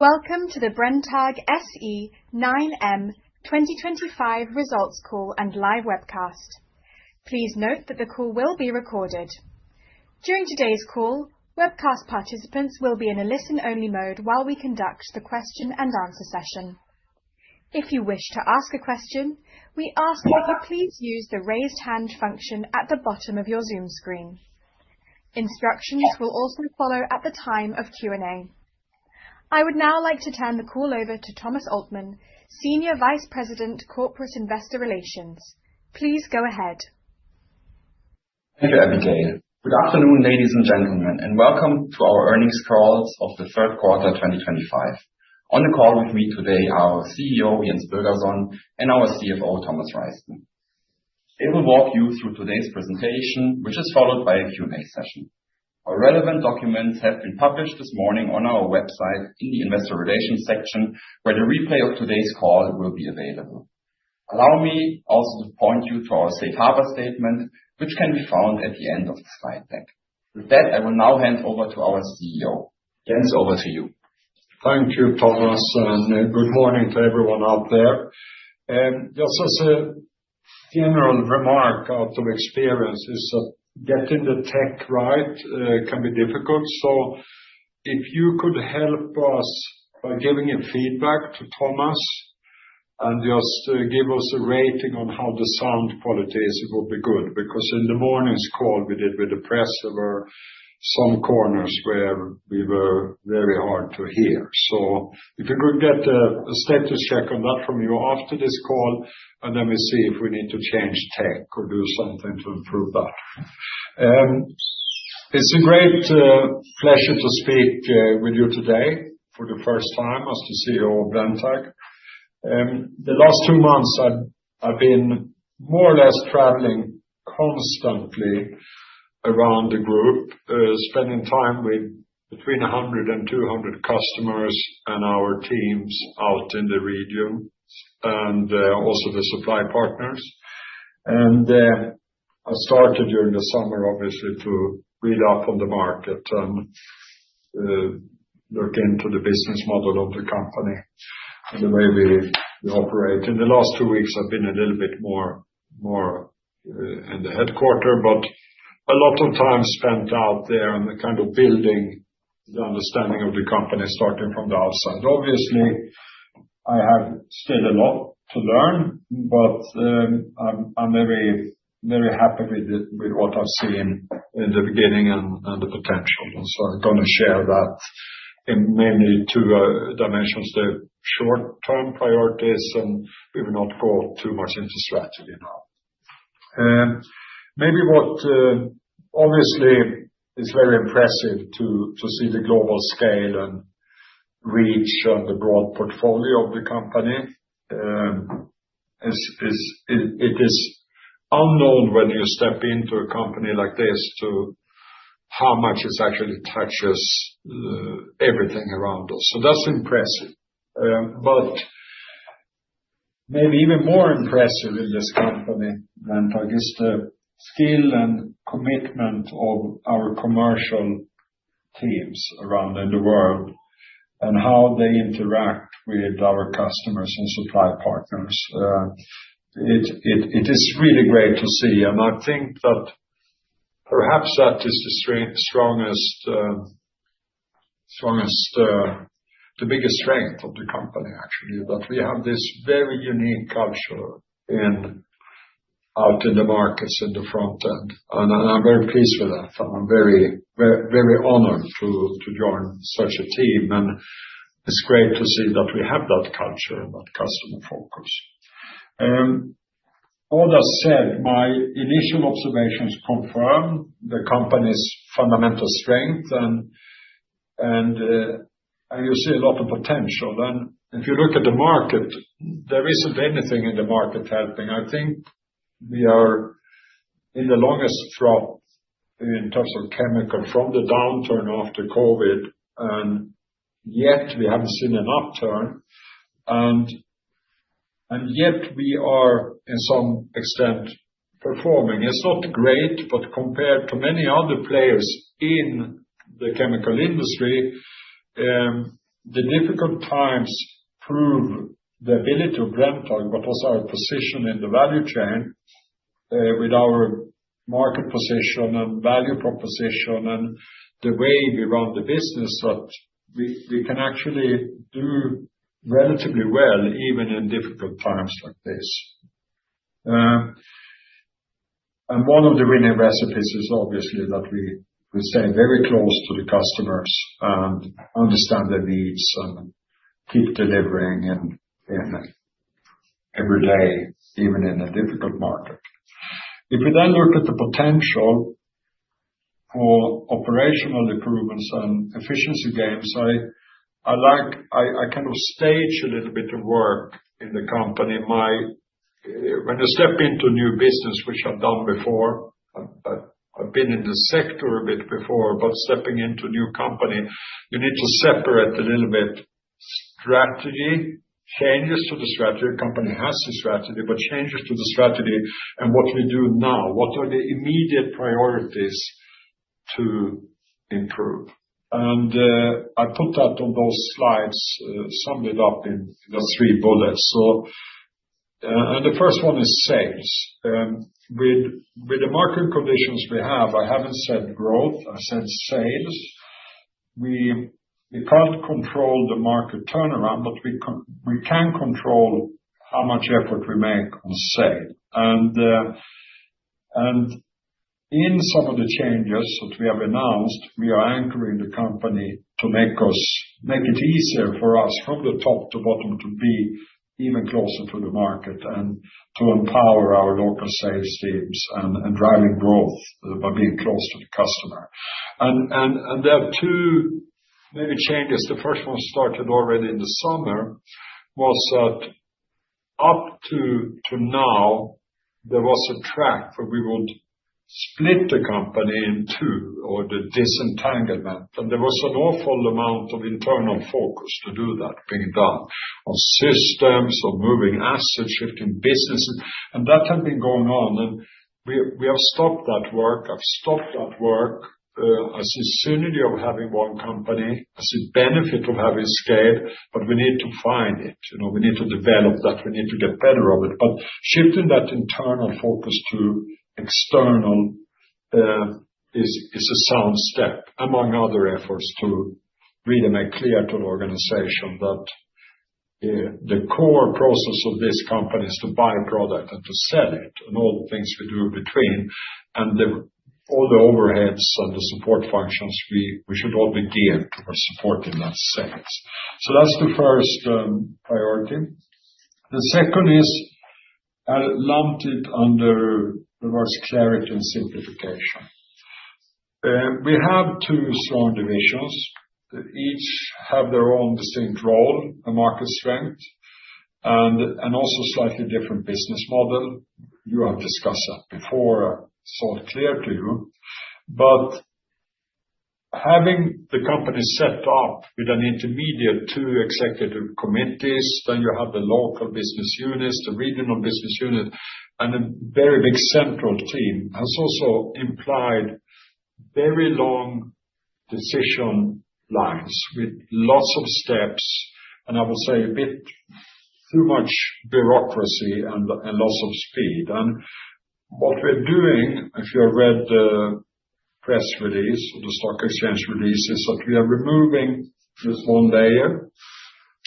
Welcome to the Brenntag SE 9M 2025 results call and live webcast. Please note that the call will be recorded. During today's call, webcast participants will be in a listen-only mode while we conduct the question-and-answer session. If you wish to ask a question, we ask that you please use the raised hand function at the bottom of your Zoom screen. Instructions will also follow at the time of Q&A. I would now like to turn the call over to Thomas Altmann, Senior Vice President, Corporate Investor Relations. Please go ahead. Thank you, Abigail. Good afternoon, ladies and gentlemen, and welcome to our earnings calls of the third quarter 2025. On the call with me today are our CEO, Jens Birgersson, and our CFO, Thomas Reisten. They will walk you through today's presentation, which is followed by a Q&A session. Our relevant documents have been published this morning on our website in the Investor Relations section, where the replay of today's call will be available. Allow me also to point you to our safe harbor statement, which can be found at the end of the slide deck. With that, I will now hand over to our CEO. Jens, over to you. Thank you, Thomas, and good morning to everyone out there. Just as a general remark out of experience, it's that getting the tech right can be difficult, so if you could help us by giving your feedback to Thomas and just give us a rating on how the sound quality is, it would be good. Because in the morning's call we did with the press, there were some corners where we were very hard to hear, so if you could get a status check on that from you after this call, and then we see if we need to change tech or do something to improve that. It's a great pleasure to speak with you today for the first time as the CEO of Brenntag. The last two months, I've been more or less traveling constantly around the group, spending time with between 100 and 200 customers and our teams out in the region, and also the supply partners, and I started during the summer, obviously, to read up on the market and look into the business model of the company and the way we operate. In the last two weeks, I've been a little bit more in the headquarters, but a lot of time spent out there and kind of building the understanding of the company starting from the outside. Obviously, I have still a lot to learn, but I'm very happy with what I've seen in the beginning and the potential, and so I'm going to share that in mainly two dimensions, the short-term priorities, and we will not go too much into strategy now. Obviously, it's very impressive to see the global scale and reach and the broad portfolio of the company. It is unknown when you step into a company like this how much it actually touches everything around us, so that's impressive, but maybe even more impressive in this company than, I guess, the skill and commitment of our commercial teams around the world and how they interact with our customers and supply partners, it is really great to see, and I think that perhaps that is the biggest strength of the company, actually, that we have this very unique culture out in the markets in the front end, and I'm very pleased with that. I'm very honored to join such a team, and it's great to see that we have that culture and that customer focus. All that said, my initial observations confirm the company's fundamental strength, and you see a lot of potential. And if you look at the market, there isn't anything in the market helping. I think we are in the longest drop in terms of chemical from the downturn after COVID, and yet we haven't seen an upturn. And yet we are, in some extent, performing. It's not great, but compared to many other players in the chemical industry, the difficult times prove the ability of Brenntag, but also our position in the value chain with our market position and value proposition and the way we run the business, that we can actually do relatively well even in difficult times like this. And one of the winning recipes is obviously that we stay very close to the customers and understand their needs and keep delivering every day, even in a difficult market. If we then look at the potential for operational improvements and efficiency gains, I kind of stage a little bit of work in the company. When you step into new business, which I've done before, I've been in the sector a bit before, but stepping into a new company, you need to separate a little bit strategy, changes to the strategy. The company has the strategy, but changes to the strategy and what we do now, what are the immediate priorities to improve. And I put that on those slides, summed it up in the three bullets. And the first one is sales. With the market conditions we have, I haven't said growth, I said sales. We can't control the market turnaround, but we can control how much effort we make on sale. And in some of the changes that we have announced, we are anchoring the company to make it easier for us from the top to bottom to be even closer to the market and to empower our local sales teams and driving growth by being close to the customer. And there are two main changes. The first one started already in the summer was that up to now, there was a track where we would split the company in two or the disentanglement. And there was an awful amount of internal focus to do that being done on systems or moving assets, shifting businesses. And that had been going on. And we have stopped that work. I've stopped that work as a synergy of having one company, as a benefit of having scale, but we need to find it. We need to develop that. We need to get better at it, but shifting that internal focus to external is a sound step among other efforts to really make clear to the organization that the core process of this company is to buy product and to sell it and all the things we do between, and all the overheads and the support functions we should all be geared towards supporting that sales. That's the first priority. The second is, I lumped it under the words clarity and simplification. We have two strong divisions that each have their own distinct role, a market strength, and also slightly different business model. You have discussed that before. It's clear to you. But having the company set up with an intermediate two executive committees, then you have the local business units, the regional business unit, and a very big central team has also implied very long decision lines with lots of steps, and I will say a bit too much bureaucracy and loss of speed. And what we're doing, if you've read the press release or the stock exchange release, is that we are removing this one layer,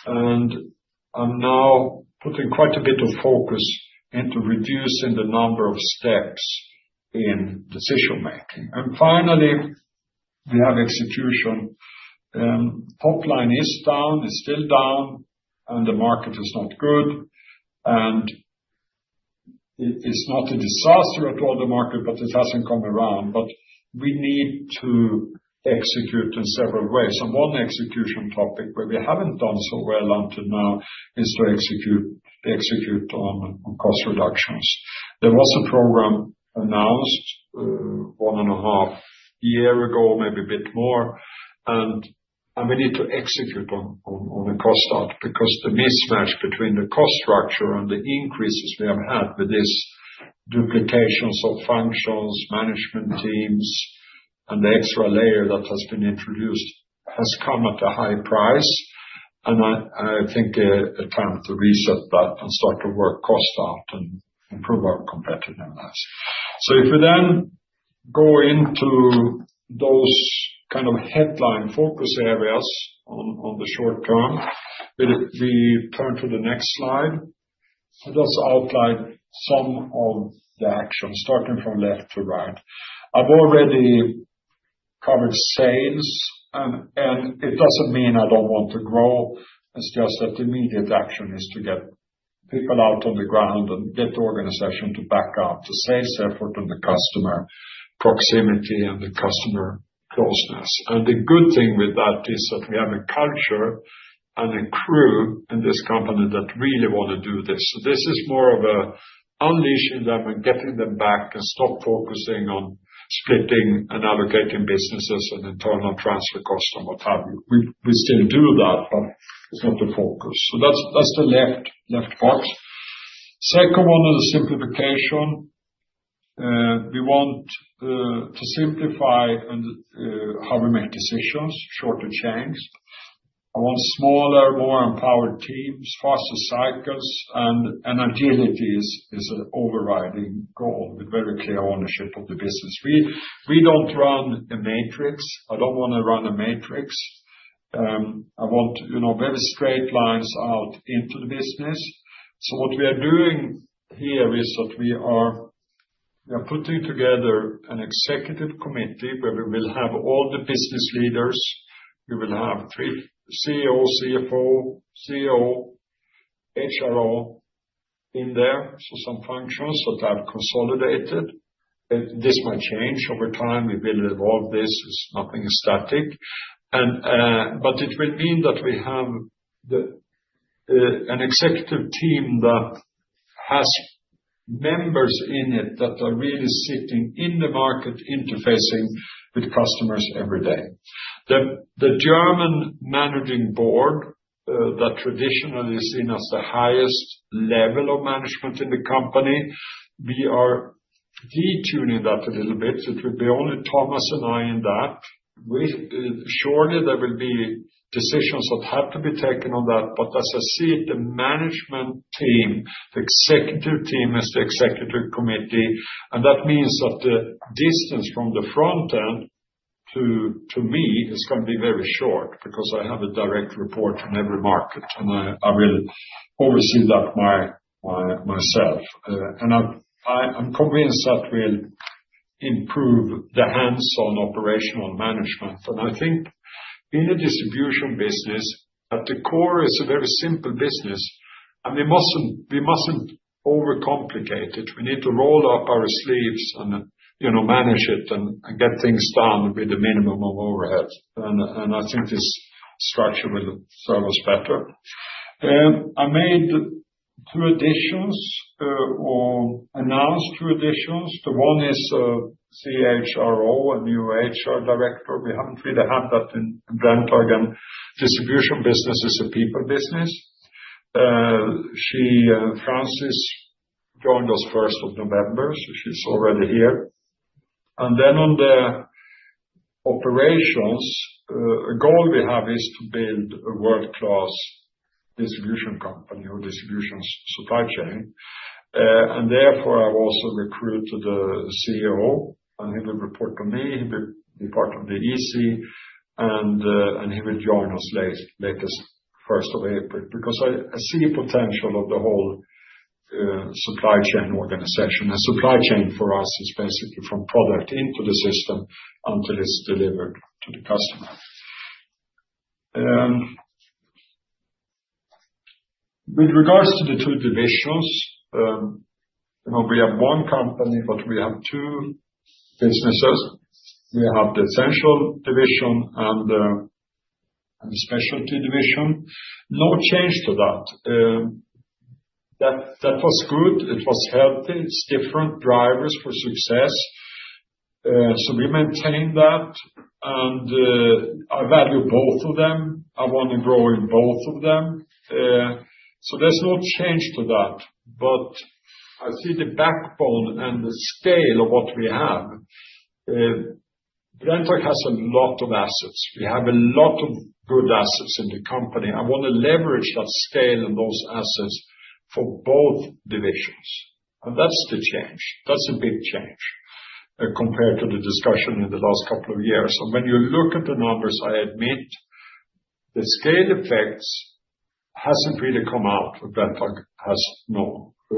and I'm now putting quite a bit of focus into reducing the number of steps in decision-making. And finally, we have execution. Top line is down, is still down, and the market is not good. And it's not a disaster at all, the market, but it hasn't come around. But we need to execute in several ways. One execution topic where we haven't done so well until now is to execute on cost reductions. There was a program announced one and a half years ago, maybe a bit more. We need to execute on the cost cuts because the mismatch between the cost structure and the increases we have had with these duplications of functions, management teams, and the extra layer that has been introduced has come at a high price. I think it's time to reset that and start to work costs out and improve our competitiveness. If we then go into those kind of headline focus areas on the short term, we turn to the next slide and just outline some of the actions starting from left to right. I've already covered sales, and it doesn't mean I don't want to grow. It's just that immediate action is to get people out on the ground and get the organization to back up the sales effort and the customer proximity and the customer closeness. And the good thing with that is that we have a culture and a crew in this company that really want to do this. So this is more of an unleashing them and getting them back and stop focusing on splitting and allocating businesses and internal transfer costs and what have you. We still do that, but it's not the focus. So that's the left box. Second one is simplification. We want to simplify how we make decisions, shorter chain. I want smaller, more empowered teams, faster cycles, and agility is an overriding goal with very clear ownership of the business. We don't run a matrix. I don't want to run a matrix. I want very straight lines out into the business, so what we are doing here is that we are putting together an executive committee where we will have all the business leaders. We will have the CEO, CFO, CHRO in there, so some functions that are consolidated. This might change over time. We will evolve this. It's nothing static, but it will mean that we have an executive team that has members in it that are really sitting in the market interfacing with customers every day. The German managing board that traditionally is seen as the highest level of management in the company, we are detuning that a little bit. It will be only Thomas and I in that. Shortly, there will be decisions that have to be taken on that, but as I see it, the management team, the executive team is the executive committee. And that means that the distance from the front end to me is going to be very short because I have a direct report in every market, and I will oversee that myself. And I'm convinced that will improve the hands-on operational management. And I think in a distribution business, at the core, it's a very simple business. And we mustn't overcomplicate it. We need to roll up our sleeves and manage it and get things done with a minimum of overhead. And I think this structure will serve us better. I made two additions or announced two additions. The one is CHRO, a new HR director. We haven't really had that in Brenntag. And distribution business is a people business. She, Francis, joined us 1st of November, so she's already here. And then on the operations, a goal we have is to build a world-class distribution company or distribution supply chain. And therefore, I've also recruited the COO, and he will report to me. He will be part of the EC, and he will join us latest, 1st of April, because I see potential of the whole supply chain organization. And supply chain for us is basically from product into the system until it's delivered to the customer. With regards to the two divisions, we have one company, but we have two businesses. We have the Essential division and the Specialty division. No change to that. That was good. It was healthy. It's different drivers for success. So we maintain that. And I value both of them. I want to grow in both of them. So there's no change to that. But I see the backbone and the scale of what we have. Brenntag has a lot of assets. We have a lot of good assets in the company. I want to leverage that scale and those assets for both divisions. And that's the change. That's a big change compared to the discussion in the last couple of years. And when you look at the numbers, I admit the scale effects hasn't really come out. Brenntag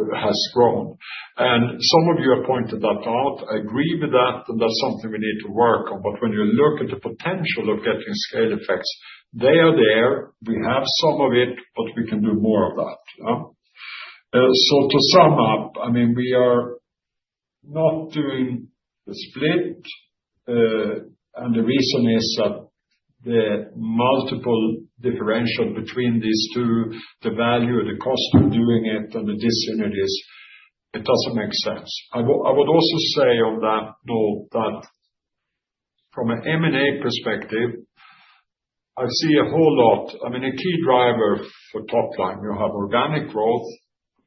has grown. And some of you have pointed that out. I agree with that, and that's something we need to work on. But when you look at the potential of getting scale effects, they are there. We have some of it, but we can do more of that. So to sum up, I mean, we are not doing the split. The reason is that the multiple differential between these two, the value, the cost of doing it, and the dis-synergies, it doesn't make sense. I would also say on that note that from an M&A perspective, I see a whole lot. I mean, a key driver for top line, you have organic growth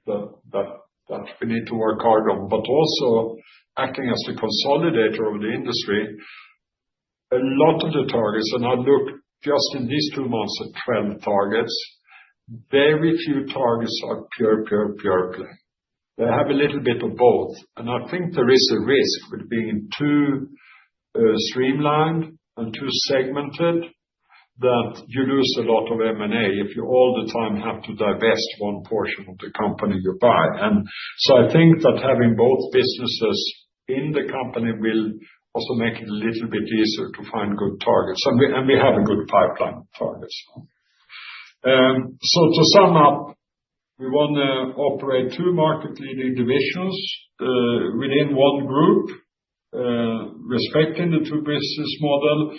that we need to work hard on, but also acting as the consolidator of the industry. A lot of the targets, and I looked just in these two months at 12 targets. Very few targets are pure, pure, pure play. They have a little bit of both. I think there is a risk with being too streamlined and too segmented that you lose a lot of M&A if you all the time have to divest one portion of the company you buy. And so I think that having both businesses in the company will also make it a little bit easier to find good targets. And we have a good pipeline of targets. So to sum up, we want to operate two market-leading divisions within one group, respecting the two business models,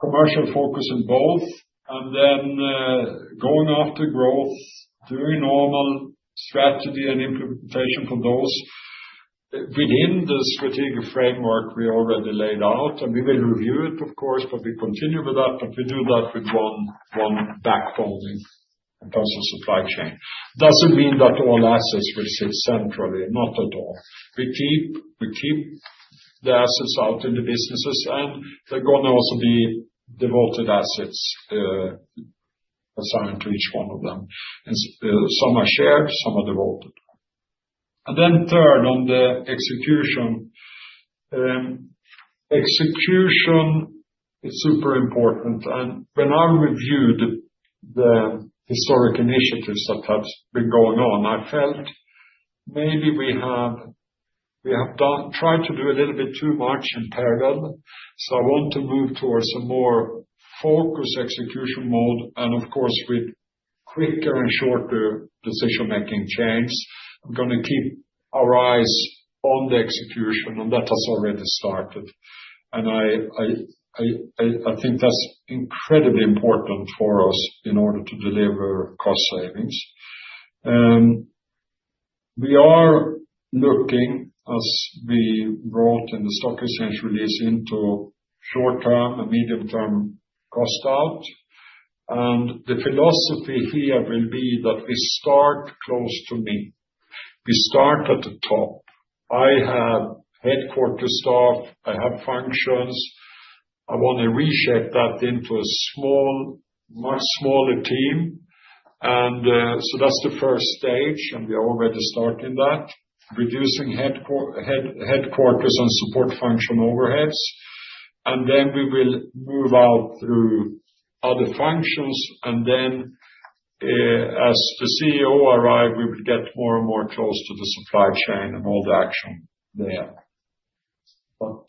commercial focus in both, and then going after growth, doing normal strategy and implementation for those within the strategic framework we already laid out. And we will review it, of course, but we continue with that. But we do that with one backbone in terms of supply chain. Does it mean that all assets will sit centrally? Not at all. We keep the assets out in the businesses, and they're going to also be devoted assets assigned to each one of them. Some are shared, some are devoted. And then third, on the execution, execution is super important. When I reviewed the historic initiatives that have been going on, I felt maybe we have tried to do a little bit too much in parallel. I want to move towards a more focused execution mode. Of course, with quicker and shorter decision-making chains, we're going to keep our eyes on the execution, and that has already started. I think that's incredibly important for us in order to deliver cost savings. We are looking, as we wrote in the stock exchange release, into short-term and medium-term cost out. The philosophy here will be that we start close to me. We start at the top. I have headquarters staff. I have functions. I want to reshape that into a much smaller team. That's the first stage, and we are already starting that, reducing headquarters and support function overheads. And then we will move out through other functions. And then as the CEO arrives, we will get more and more close to the supply chain and all the action there. But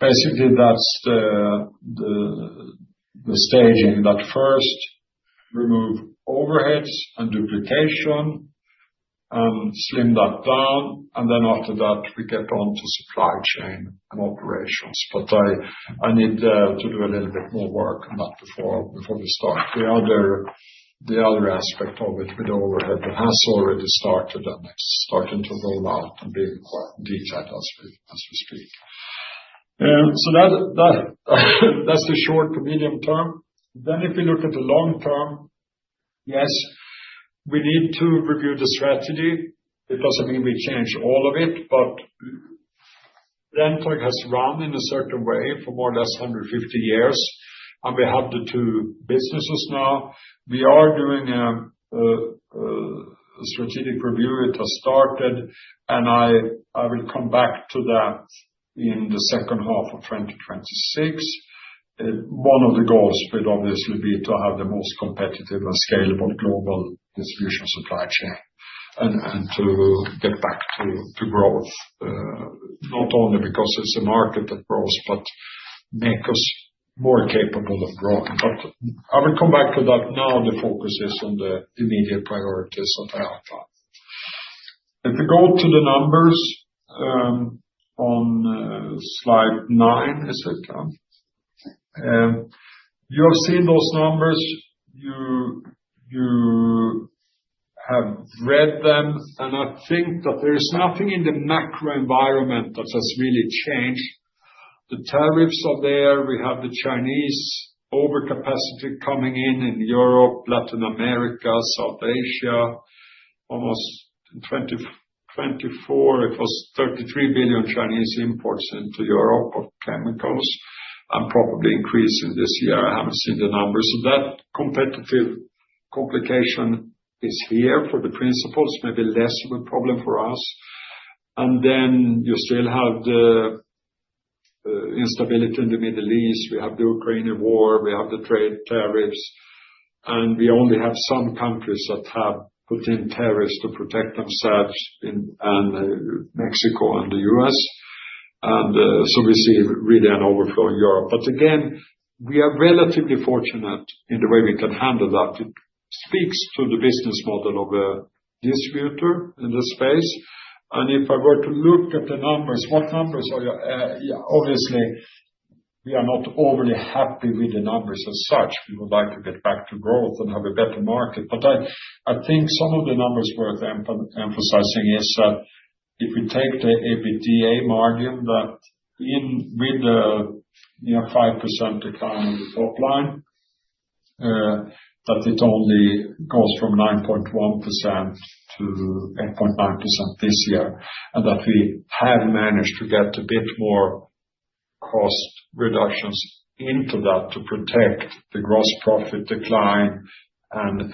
basically, that's the staging. That first, remove overheads and duplication and slim that down. And then after that, we get on to supply chain and operations. But I need to do a little bit more work on that before we start. The other aspect of it with overhead has already started, and it's starting to roll out and being quite detailed as we speak. So that's the short to medium term. Then if we look at the long term, yes, we need to review the strategy. It doesn't mean we change all of it, but Brenntag has run in a certain way for more or less 150 years, and we have the two businesses now. We are doing a strategic review. It has started, and I will come back to that in the second half of 2026. One of the goals would obviously be to have the most competitive and scalable global distribution supply chain and to get back to growth, not only because it's a market that grows, but make us more capable of growing. But I will come back to that now. The focus is on the immediate priorities that I have done. If we go to the numbers on slide nine, I think, you have seen those numbers. You have read them. And I think that there is nothing in the macro environment that has really changed. The tariffs are there. We have the Chinese overcapacity coming in in Europe, Latin America, South Asia. Almost in 2024, it was 33 billion Chinese imports into Europe of chemicals and probably increasing this year. I haven't seen the numbers, so that competitive complication is here for the principals. Maybe less of a problem for us, and then you still have the instability in the Middle East. We have the Ukraine war. We have the trade tariffs, and we only have some countries that have put in tariffs to protect themselves: Mexico and the U.S. So we see really an overflow in Europe, but again, we are relatively fortunate in the way we can handle that. It speaks to the business model of a distributor in this space, and if I were to look at the numbers, what numbers are you? Obviously, we are not overly happy with the numbers as such. We would like to get back to growth and have a better market. But I think some of the numbers worth emphasizing is that if we take the EBITDA margin that with the near 5% decline on the top line, that it only goes from 9.1% to 8.9% this year, and that we have managed to get a bit more cost reductions into that to protect the gross profit decline and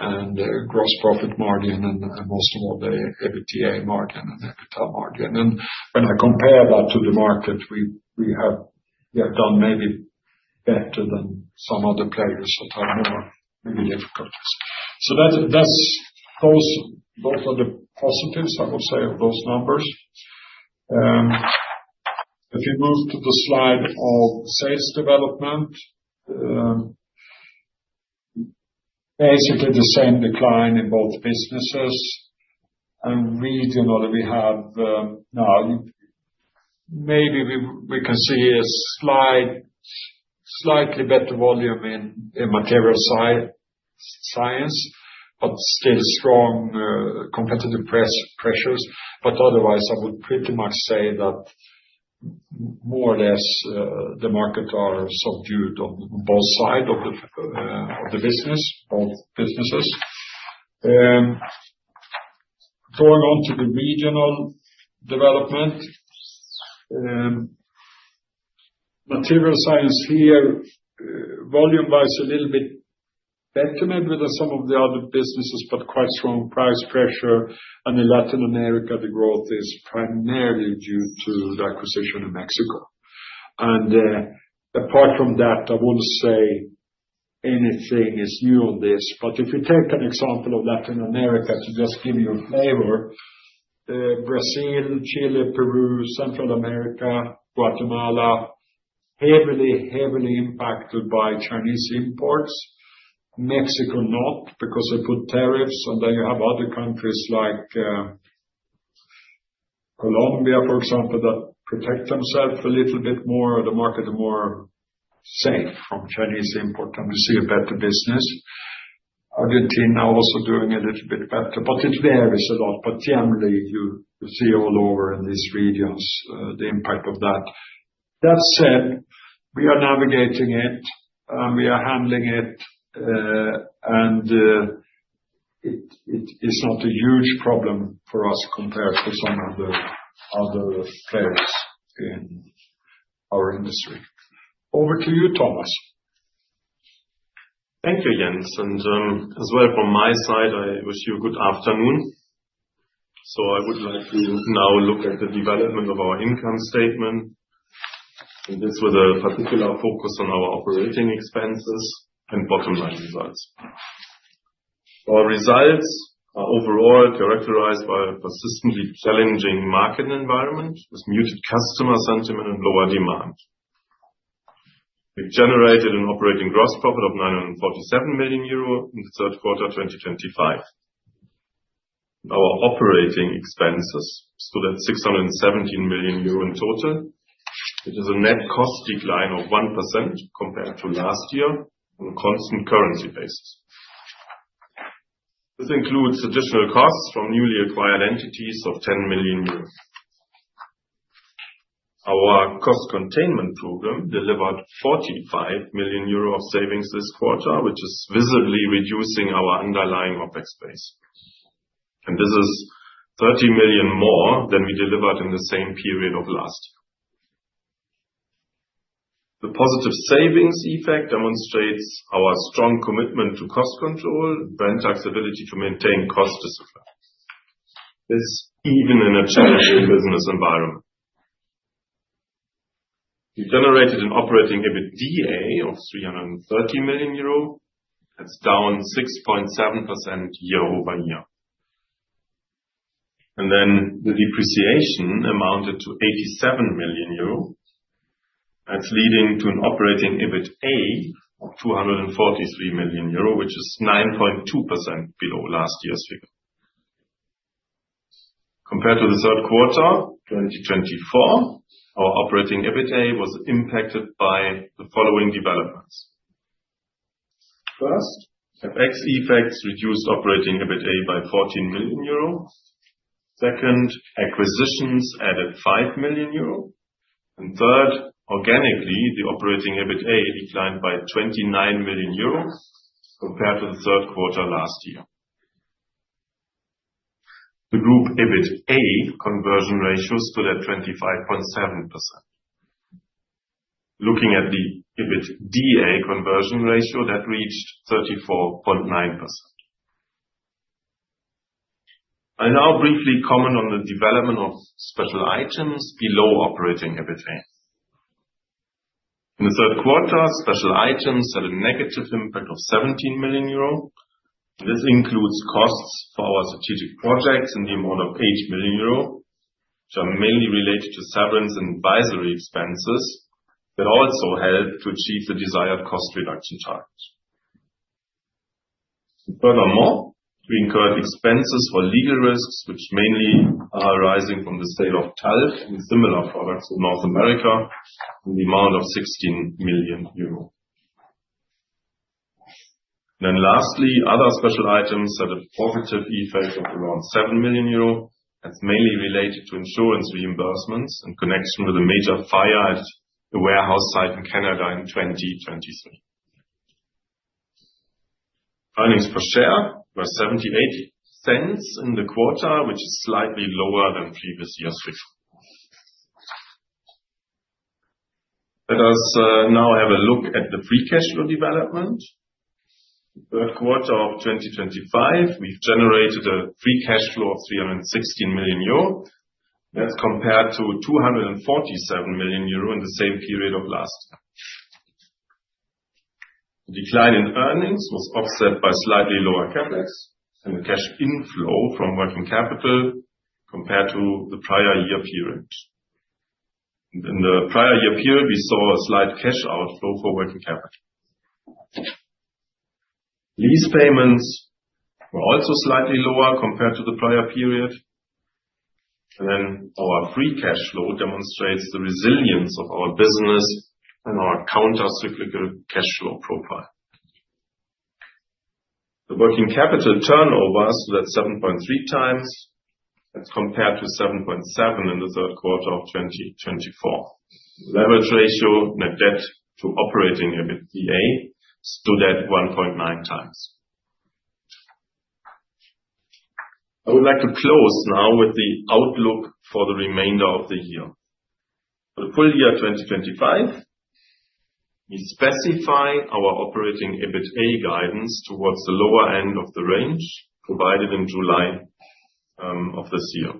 gross profit margin and most of all the EBITA margin and EBITDA margin. And when I compare that to the market, we have done maybe better than some other players that have more difficulties. So those are the positives, I would say, of those numbers. If you move to the slide of sales development, basically the same decline in both businesses. And regionally, we have now maybe we can see a slightly better volume in Material Science, but still strong competitive pressures. But otherwise, I would pretty much say that more or less the markets are subdued on both sides of the business, both businesses. Going on to the regional development, Material Science here, volume-wise, a little bit better maybe than some of the other businesses, but quite strong price pressure. And in Latin America, the growth is primarily due to the acquisition in Mexico. And apart from that, I wouldn't say anything is new on this. But if you take an example of Latin America to just give you a flavor, Brazil, Chile, Peru, Central America, Guatemala, heavily, heavily impacted by Chinese imports. Mexico, not because they put tariffs. And then you have other countries like Colombia, for example, that protect themselves a little bit more, or the market is more safe from Chinese import, and we see a better business. Argentina also doing a little bit better, but it varies a lot. But generally, you see all over in these regions the impact of that. That said, we are navigating it, and we are handling it, and it is not a huge problem for us compared to some of the other players in our industry. Over to you, Thomas. Thank you, Jens. And as well from my side, I wish you a good afternoon. So I would like to now look at the development of our income statement, and this with a particular focus on our operating expenses and bottom-line results. Our results are overall characterized by a persistently challenging market environment with muted customer sentiment and lower demand. We generated an operating gross profit of 947 million euro in the third quarter of 2025. Our operating expenses stood at 617 million euro in total, which is a net cost decline of 1% compared to last year on a constant currency basis. This includes additional costs from newly acquired entities of 10 million euros. Our cost containment program delivered 45 million euros of savings this quarter, which is visibly reducing our underlying OpEx base. This is 30 million more than we delivered in the same period of last year. The positive savings effect demonstrates our strong commitment to cost control and Brenntag's ability to maintain cost discipline. This is even in a challenging business environment. We generated an operating EBITDA of 330 million euro. That's down 6.7% year-over-year. Then the depreciation amounted to 87 million euro. That's leading to an operating EBITA of 243 million euro, which is 9.2% below last year's figure. Compared to the third quarter 2024, our operating EBITA was impacted by the following developments. First, FX effects reduced operating EBITA by 14 million euro. Second, acquisitions added 5 million euro. And third, organically, the operating EBITA declined by 29 million euro compared to the third quarter last year. The group EBITA conversion ratios stood at 25.7%. Looking at the EBITDA conversion ratio, that reached 34.9%. I'll now briefly comment on the development of special items below operating EBITA. In the third quarter, special items had a negative impact of 17 million euro. This includes costs for our strategic projects in the amount of 8 million euro, which are mainly related to severance and advisory expenses that also help to achieve the desired cost reduction targets. Furthermore, we incurred expenses for legal risks, which mainly are arising from the sale of talc and similar products in North America in the amount of 16 million euro, and then lastly, other special items had a positive effect of around 7 million euro. That's mainly related to insurance reimbursements in connection with a major fire at a warehouse site in Canada in 2023. Earnings per share were 0.78 in the quarter, which is slightly lower than previous year's figure. Let us now have a look at the free cash flow development. Third quarter of 2025, we've generated a free cash flow of 316 million euro. That's compared to 247 million euro in the same period of last year. The decline in earnings was offset by slightly lower CapEx and the cash inflow from working capital compared to the prior year period. In the prior year period, we saw a slight cash outflow for working capital. Lease payments were also slightly lower compared to the prior period, and then our free cash flow demonstrates the resilience of our business and our countercyclical cash flow profile. The working capital turnover stood at 7.3x. That's compared to 7.7 in the third quarter of 2024. Leverage ratio net debt to operating EBITDA stood at 1.9x. I would like to close now with the outlook for the remainder of the year. For the full year 2025, we specify our operating EBITA guidance towards the lower end of the range provided in July of this year.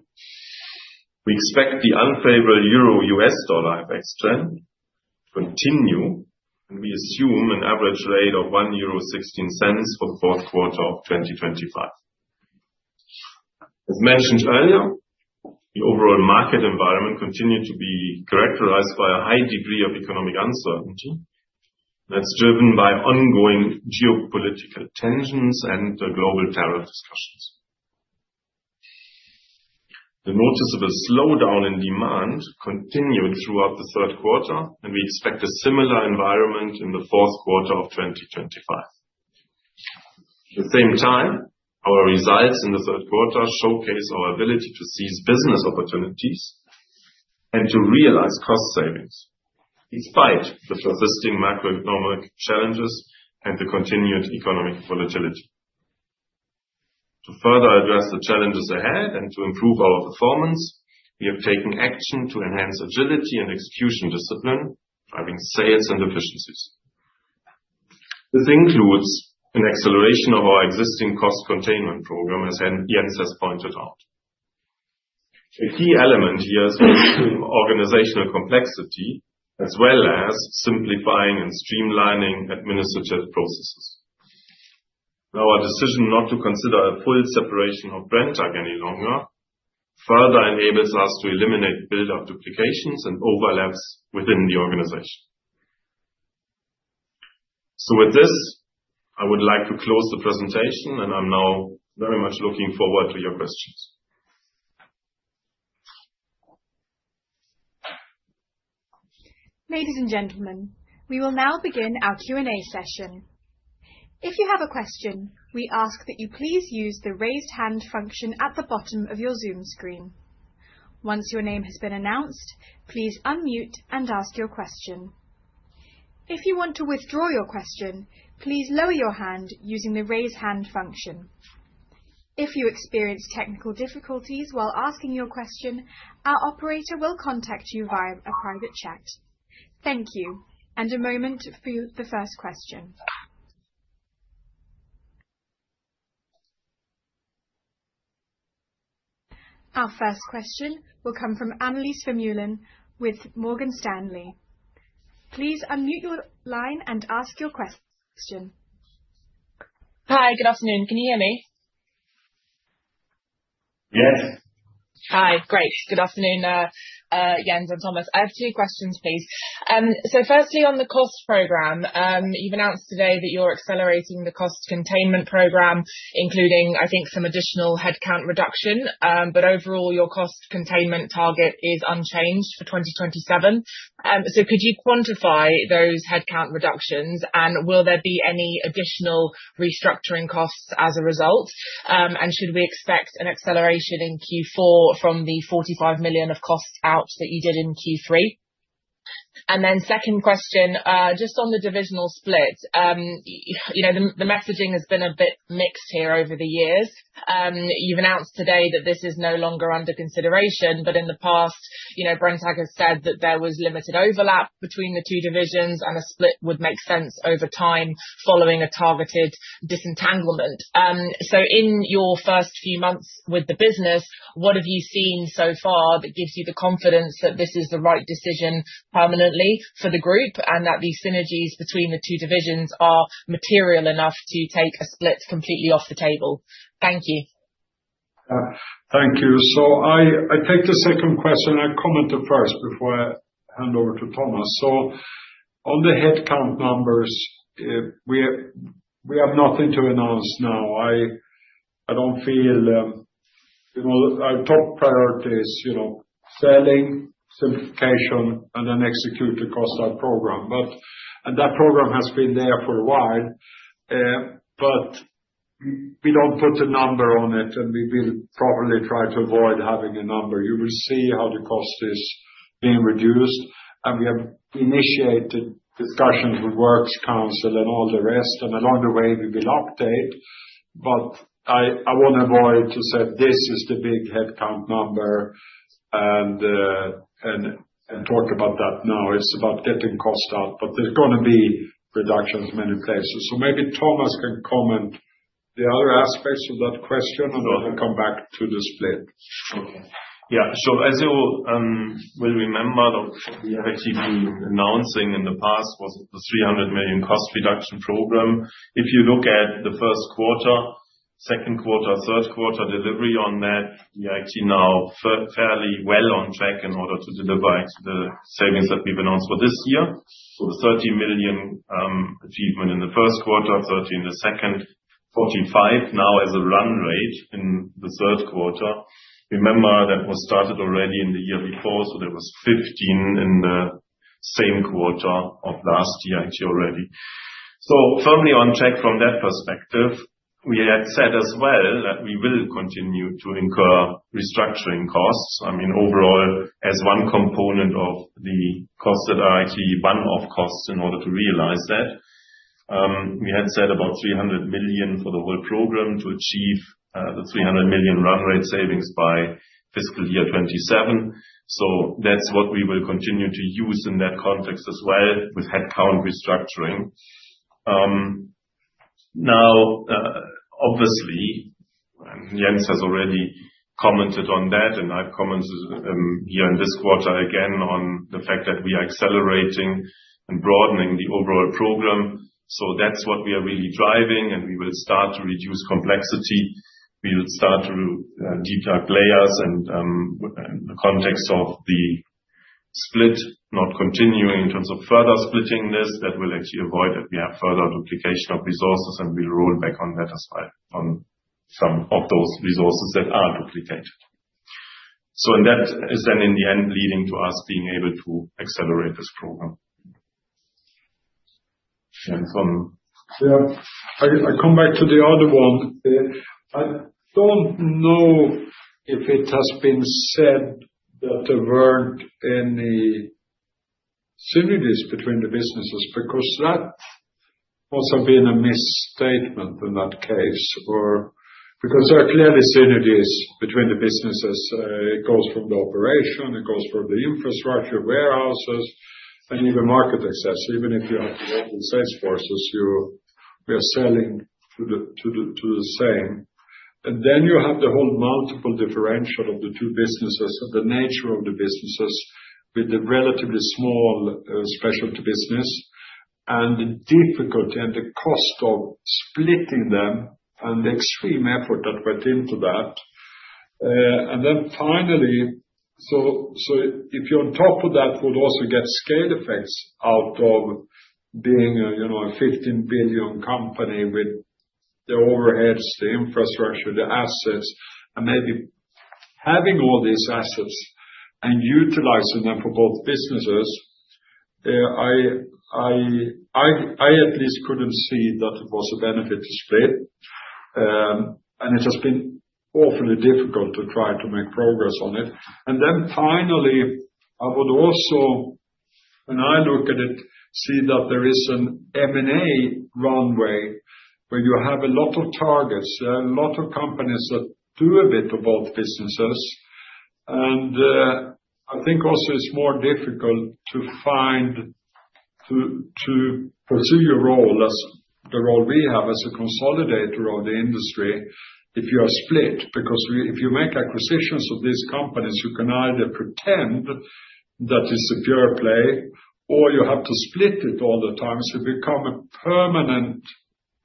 We expect the unfavorable euro/U.S. dollar FX trend to continue, and we assume an average rate of 1.16 euro for the fourth quarter of 2025. As mentioned earlier, the overall market environment continued to be characterized by a high degree of economic uncertainty. That's driven by ongoing geopolitical tensions and global tariff discussions. The noticeable slowdown in demand continued throughout the third quarter, and we expect a similar environment in the fourth quarter of 2025. At the same time, our results in the third quarter showcase our ability to seize business opportunities and to realize cost savings despite the persisting macroeconomic challenges and the continued economic volatility. To further address the challenges ahead and to improve our performance, we have taken action to enhance agility and execution discipline, driving sales and efficiencies. This includes an acceleration of our existing cost containment program, as Jens has pointed out. A key element here is organizational complexity, as well as simplifying and streamlining administrative processes. Our decision not to consider a full separation of Brenntag any longer further enables us to eliminate build-up duplications and overlaps within the organization. So with this, I would like to close the presentation, and I'm now very much looking forward to your questions. Ladies and gentlemen, we will now begin our Q&A session. If you have a question, we ask that you please use the raised hand function at the bottom of your Zoom screen. Once your name has been announced, please unmute and ask your question. If you want to withdraw your question, please lower your hand using the raised hand function. If you experience technical difficulties while asking your question, our operator will contact you via a private chat. Thank you. And a moment for the first question. Our first question will come from Annelies Vermeulen with Morgan Stanley. Please unmute your line and ask your question. Hi, good afternoon. Can you hear me? Yes. Hi, great. Good afternoon, Jens and Thomas. I have two questions, please. So firstly, on the cost program, you've announced today that you're accelerating the cost containment program, including, I think, some additional headcount reduction. But overall, your cost containment target is unchanged for 2027. So could you quantify those headcount reductions, and will there be any additional restructuring costs as a result? And should we expect an acceleration in Q4 from the 45 million of costs out that you did in Q3? And then second question, just on the divisional split, the messaging has been a bit mixed here over the years. You've announced today that this is no longer under consideration, but in the past, Brenntag has said that there was limited overlap between the two divisions, and a split would make sense over time following a targeted disentanglement. So in your first few months with the business, what have you seen so far that gives you the confidence that this is the right decision permanently for the group and that the synergies between the two divisions are material enough to take a split completely off the table? Thank you. Thank you. So I take the second question. I'll comment on the first before I hand over to Thomas. So on the headcount numbers, we have nothing to announce now. I don't feel our top priority is selling, simplification, and then execute the cost-out program. And that program has been there for a while, but we don't put a number on it, and we will probably try to avoid having a number. You will see how the cost is being reduced. And we have initiated discussions with works council and all the rest, and along the way, we will update. But I won't avoid to say this is the big headcount number and talk about that now. It's about getting cost out, but there's going to be reductions in many places. So maybe Thomas can comment on the other aspects of that question, and then we'll come back to the split. Okay. Yeah. So as you will remember, what we have actually been announcing in the past was the 300 million cost reduction program. If you look at the first quarter, second quarter, third quarter delivery on that, we are actually now fairly well on track in order to deliver the savings that we've announced for this year. So the 30 million achievement in the first quarter, 30 in the second, 45 now as a run rate in the third quarter. Remember that was started already in the year before, so there was 15 in the same quarter of last year actually already. So firmly on track from that perspective. We had said as well that we will continue to incur restructuring costs. I mean, overall, as one component of the costs that are actually one-off costs in order to realize that. We had said about 300 million for the whole program to achieve the 300 million run rate savings by fiscal year 2027. So that's what we will continue to use in that context as well with headcount restructuring. Now, obviously, Jens has already commented on that, and I've commented here in this quarter again on the fact that we are accelerating and broadening the overall program. So that's what we are really driving, and we will start to reduce complexity. We will start to deepen layers and the context of the split not continuing in terms of further splitting this. That will actually avoid that we have further duplication of resources, and we'll roll back on that as well on some of those resources that are duplicated. So that is then in the end leading to us being able to accelerate this program. Yeah. I come back to the other one. I don't know if it has been said that there weren't any synergies between the businesses because that must have been a misstatement in that case because there are clearly synergies between the businesses. It goes from the operation. It goes from the infrastructure, warehouses, and even market access. Even if you have the sales forces, you are selling to the same. And then you have the whole multiple differential of the two businesses and the nature of the businesses with the relatively small specialty business and the difficulty and the cost of splitting them and the extreme effort that went into that. And then finally, so if you're on top of that, we'll also get scale effects out of being a 15 billion company with the overheads, the infrastructure, the assets, and maybe having all these assets and utilizing them for both businesses. I at least couldn't see that it was a benefit to split. And it has been awfully difficult to try to make progress on it. And then finally, I would also, when I look at it, see that there is an M&A runway where you have a lot of targets. There are a lot of companies that do a bit of both businesses. And I think also it's more difficult to pursue your role as the role we have as a consolidator of the industry if you are split because if you make acquisitions of these companies, you can either pretend that it's a pure play or you have to split it all the time to become a permanent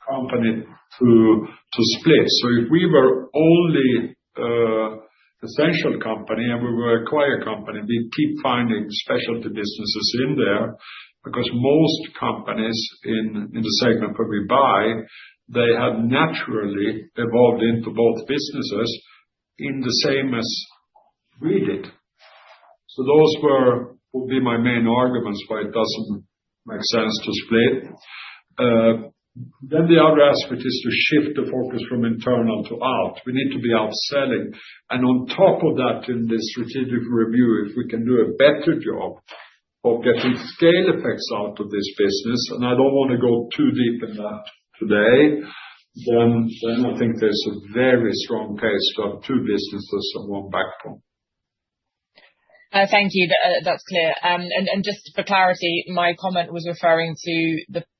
company to split. So if we were only an essential company and we were an acquired company, we keep finding specialty businesses in there because most companies in the segment that we buy, they have naturally evolved into both businesses in the same as we did. So those will be my main arguments why it doesn't make sense to split. Then the other aspect is to shift the focus from internal to out. We need to be outselling. And on top of that, in the strategic review, if we can do a better job of getting scale effects out of this business, and I don't want to go too deep in that today, then I think there's a very strong case to have two businesses and one backbone. Thank you. That's clear. And just for clarity, my comment was referring to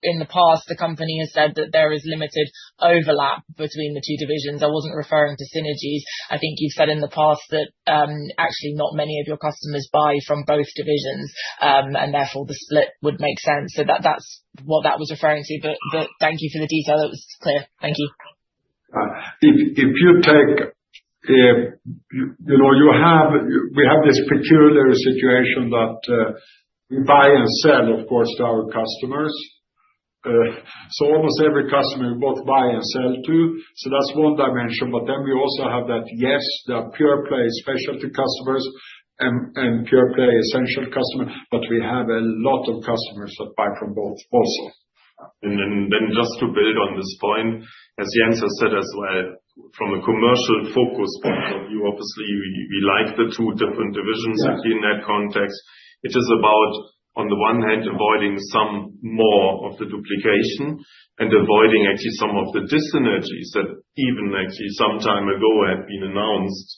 in the past, the company has said that there is limited overlap between the two divisions. I wasn't referring to synergies. I think you've said in the past that actually not many of your customers buy from both divisions, and therefore the split would make sense. So that's what that was referring to. But thank you for the detail. It was clear. Thank you. If you take, we have this peculiar situation that we buy and sell, of course, to our customers. So, almost every customer we both buy and sell to. So that's one dimension. But then we also have that, yes, the pure play specialty customers and pure play essential customers, but we have a lot of customers that buy from both also. And then just to build on this point, as Jens has said as well, from a commercial focus point of view, obviously, we like the two different divisions in that context. It is about, on the one hand, avoiding some more of the duplication and avoiding actually some of the dyssynergies that even actually some time ago had been announced.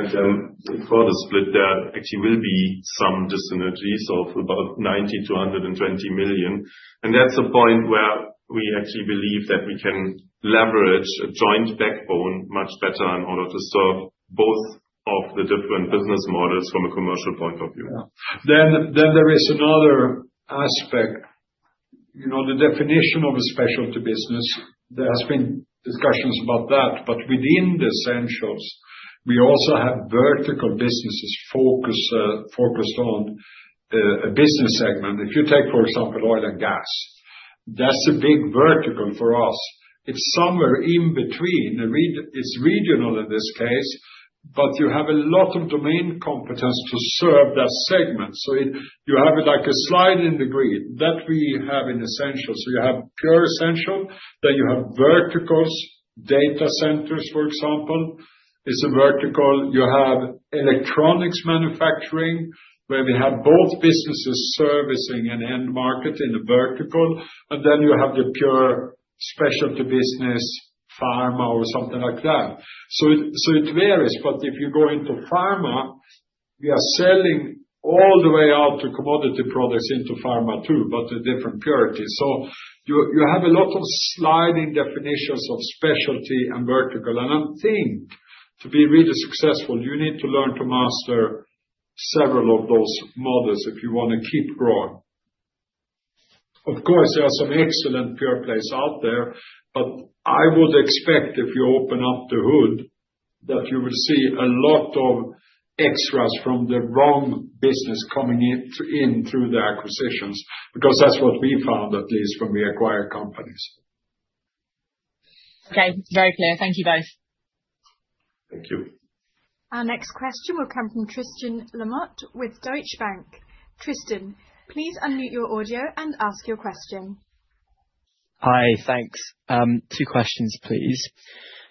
And then for the split, there actually will be some dyssynergies of about 90 million-120 million. And that's a point where we actually believe that we can leverage a joint backbone much better in order to serve both of the different business models from a commercial point of view. Then there is another aspect, the definition of a specialty business. There has been discussions about that, but within the Essentials, we also have vertical businesses focused on a business segment. If you take, for example, oil and gas, that's a big vertical for us. It's somewhere in between. It's regional in this case, but you have a lot of domain competence to serve that segment. So you have it like a sliding degree that we have in essentials. So you have pure essential. Then you have verticals. Data centers, for example, is a vertical. You have electronics manufacturing where we have both businesses servicing an end market in a vertical. And then you have the pure specialty business, pharma or something like that. So it varies. But if you go into pharma, we are selling all the way out to commodity products into pharma too, but a different purity. So you have a lot of sliding definitions of specialty and vertical. And I think to be really successful, you need to learn to master several of those models if you want to keep growing. Of course, there are some excellent pure plays out there, but I would expect if you open up the hood that you will see a lot of extras from the wrong business coming in through the acquisitions because that's what we found, at least when we acquired companies. Okay. Very clear. Thank you both. Thank you. Our next question will come from Tristan Lamotte with Deutsche Bank. Tristan, please unmute your audio and ask your question. Hi. Thanks. Two questions, please.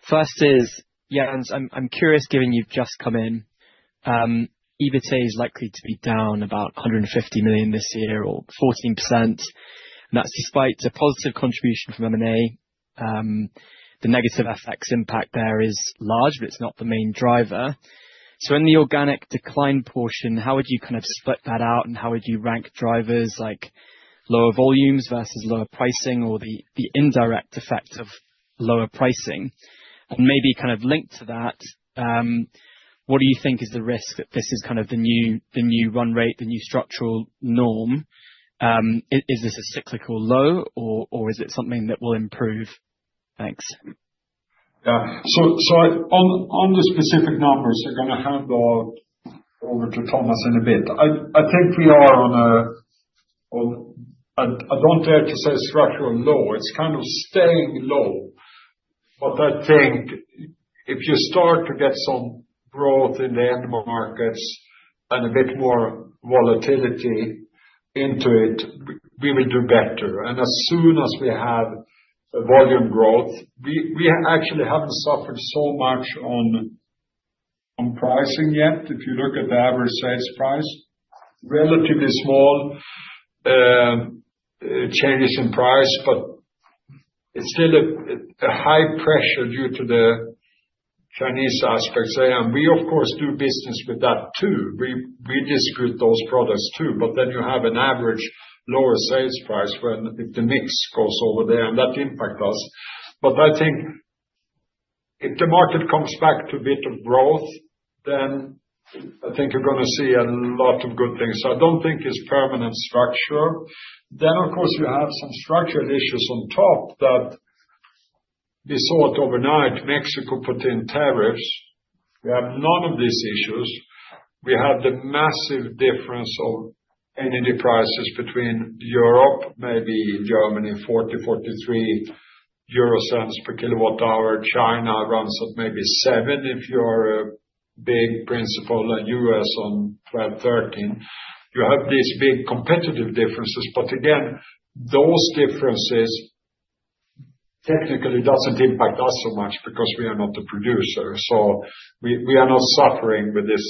First is, Jens, I'm curious given you've just come in. EBITDA is likely to be down about 150 million this year or 14%. And that's despite a positive contribution from M&A. The negative FX impact there is large, but it's not the main driver. So in the organic decline portion, how would you kind of split that out and how would you rank drivers like lower volumes versus lower pricing or the indirect effect of lower pricing? And maybe kind of linked to that, what do you think is the risk that this is kind of the new run rate, the new structural norm? Is this a cyclical low or is it something that will improve? Thanks. Yeah. So on the specific numbers, I'm going to hand over to Thomas in a bit. I think we are on a, I don't dare to say structural low. It's kind of staying low. But I think if you start to get some growth in the end markets and a bit more volatility into it, we will do better. And as soon as we have volume growth, we actually haven't suffered so much on pricing yet. If you look at the average sales price, relatively small changes in price, but it's still a high pressure due to the Chinese aspects. And we, of course, do business with that too. We distribute those products too. But then you have an average lower sales price when the mix goes over there, and that impacts us. But I think if the market comes back to a bit of growth, then I think you're going to see a lot of good things. So I don't think it's permanent structure. Then, of course, you have some structural issues on top that we saw it overnight. Mexico put in tariffs. We have none of these issues. We have the massive difference of energy prices between Europe, maybe Germany, 0.40-0.43 per kWh. China runs at maybe 0.07 if you're a big principal, and U.S. on 0.12-0.13. You have these big competitive differences. But again, those differences technically don't impact us so much because we are not the producer. So we are not suffering with this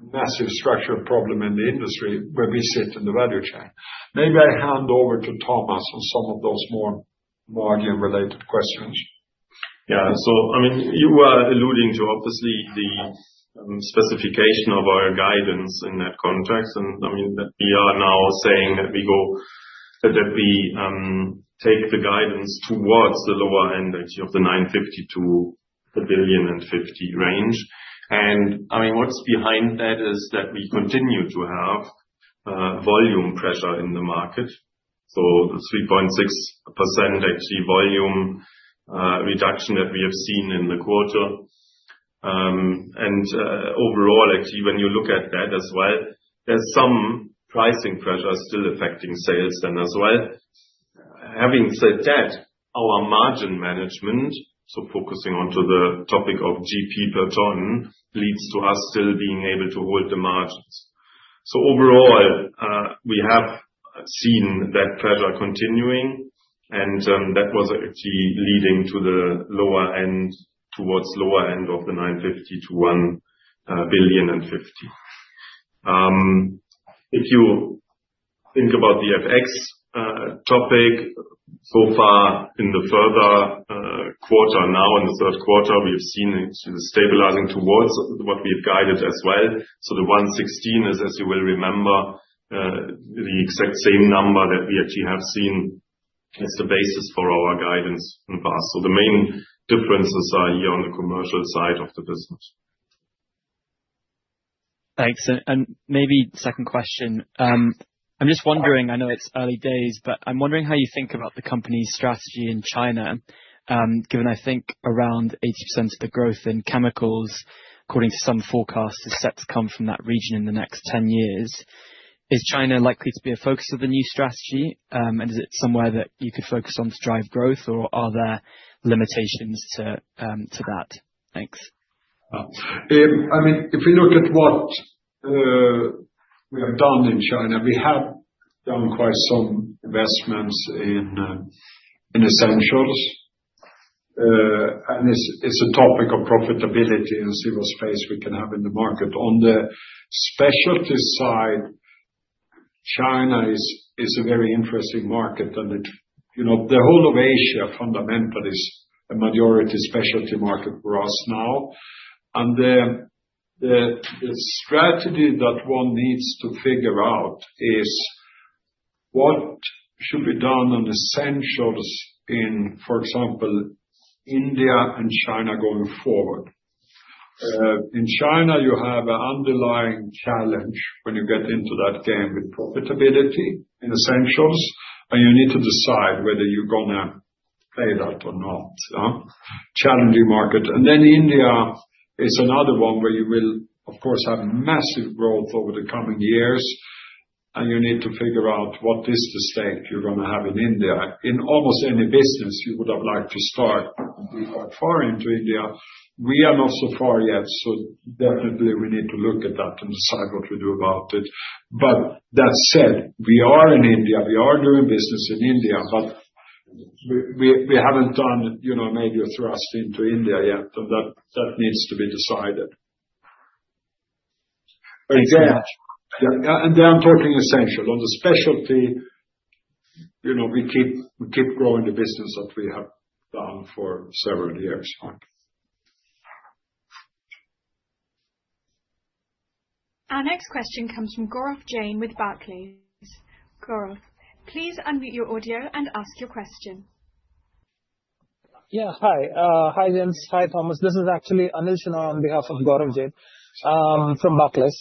massive structural problem in the industry where we sit in the value chain. Maybe I hand over to Thomas on some of those more margin-related questions. Yeah. So I mean, you were alluding to, obviously, the specification of our guidance in that context. I mean, we are now saying that we go that we take the guidance towards the lower end of the 950 million-1,050 million range. I mean, what's behind that is that we continue to have volume pressure in the market. So the 3.6% actually volume reduction that we have seen in the quarter. And overall, actually, when you look at that as well, there's some pricing pressure still affecting sales then as well. Having said that, our margin management, so focusing onto the topic of GP per ton, leads to us still being able to hold the margins. So overall, we have seen that pressure continuing. And that was actually leading to the lower end of the 950 million-1,050 million. If you think about the FX topic, so far in the further quarter now, in the third quarter, we've seen it's stabilizing towards what we've guided as well. So the 1.16 is, as you will remember, the exact same number that we actually have seen as the basis for our guidance in the past. So the main differences are here on the commercial side of the business. Thanks. And maybe second question. I'm just wondering, I know it's early days, but I'm wondering how you think about the company's strategy in China, given I think around 80% of the growth in chemicals, according to some forecasts, is set to come from that region in the next 10 years. Is China likely to be a focus of the new strategy? And is it somewhere that you could focus on to drive growth, or are there limitations to that? Thanks. I mean, if we look at what we have done in China, we have done quite some investments in Essentials. And it's a topic of profitability and viable space we can have in the market. On the specialty side, China is a very interesting market. And the whole of Asia fundamentally is a majority specialty market for us now. And the strategy that one needs to figure out is what should be done on Essentials in, for example, India and China going forward. In China, you have an underlying challenge when you get into that game with profitability in Essentials. And you need to decide whether you're going to play that or not. Challenging market. And then India is another one where you will, of course, have massive growth over the coming years. And you need to figure out what is the stake you're going to have in India. In almost any business, you would have liked to start far into India. We are not so far yet, so definitely, we need to look at that and decide what we do about it. But that said, we are in India. We are doing business in India, but we haven't done a major thrust into India yet, and that needs to be decided, and then I'm talking Essentials. On the Specialties, we keep growing the business that we have done for several years. Our next question comes from Gaurav Jain with Barclays. Gaurav, please unmute your audio and ask your question. Yeah. Hi. Hi, Jens. Hi, Thomas. This is actually Anil Sharma on behalf of Gaurav Jain from Barclays.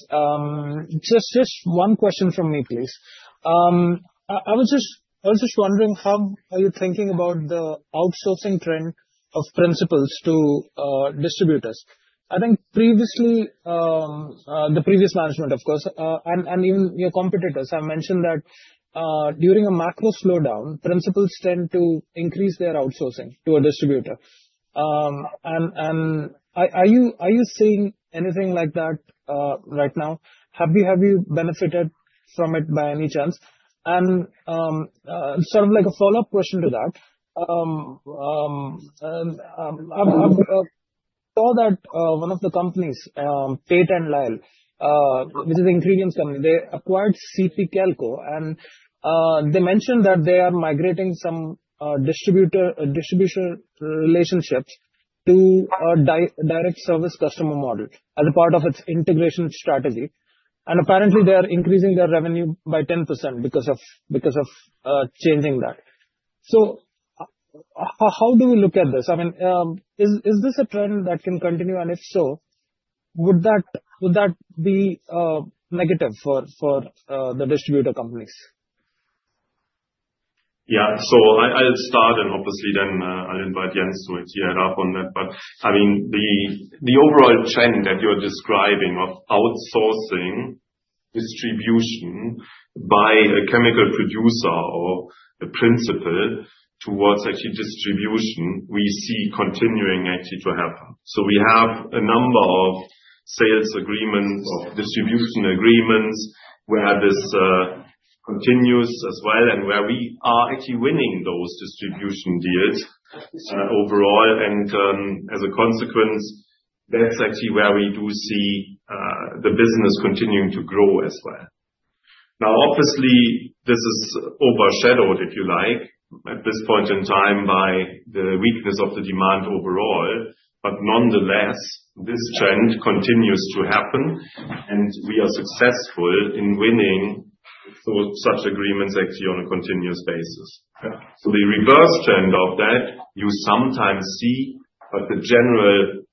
Just one question from me, please. I was just wondering how you are thinking about the outsourcing trend of principals to distributors? I think previously, the previous management, of course, and even your competitors, have mentioned that during a macro slowdown, principals tend to increase their outsourcing to a distributor. And are you seeing anything like that right now? Have you benefited from it by any chance? And sort of like a follow-up question to that, I saw that one of the companies, Tate & Lyle, which is an ingredients company, they acquired CP Kelco. And they mentioned that they are migrating some distributor relationships to a direct service customer model as a part of its integration strategy. And apparently, they are increasing their revenue by 10% because of changing that. So how do we look at this? I mean, is this a trend that can continue? And if so, would that be negative for the distributor companies? Yeah. I'll start, and obviously, then I'll invite Jens to clear it up on that. But I mean, the overall trend that you're describing of outsourcing distribution by a chemical producer or a principal towards actually distribution, we see continuing actually to happen. So we have a number of sales agreements, distribution agreements where this continues as well, and where we are actually winning those distribution deals overall. And as a consequence, that's actually where we do see the business continuing to grow as well. Now, obviously, this is overshadowed, if you like, at this point in time by the weakness of the demand overall. But nonetheless, this trend continues to happen. And we are successful in winning such agreements actually on a continuous basis. So the reverse trend of that, you sometimes see, but the general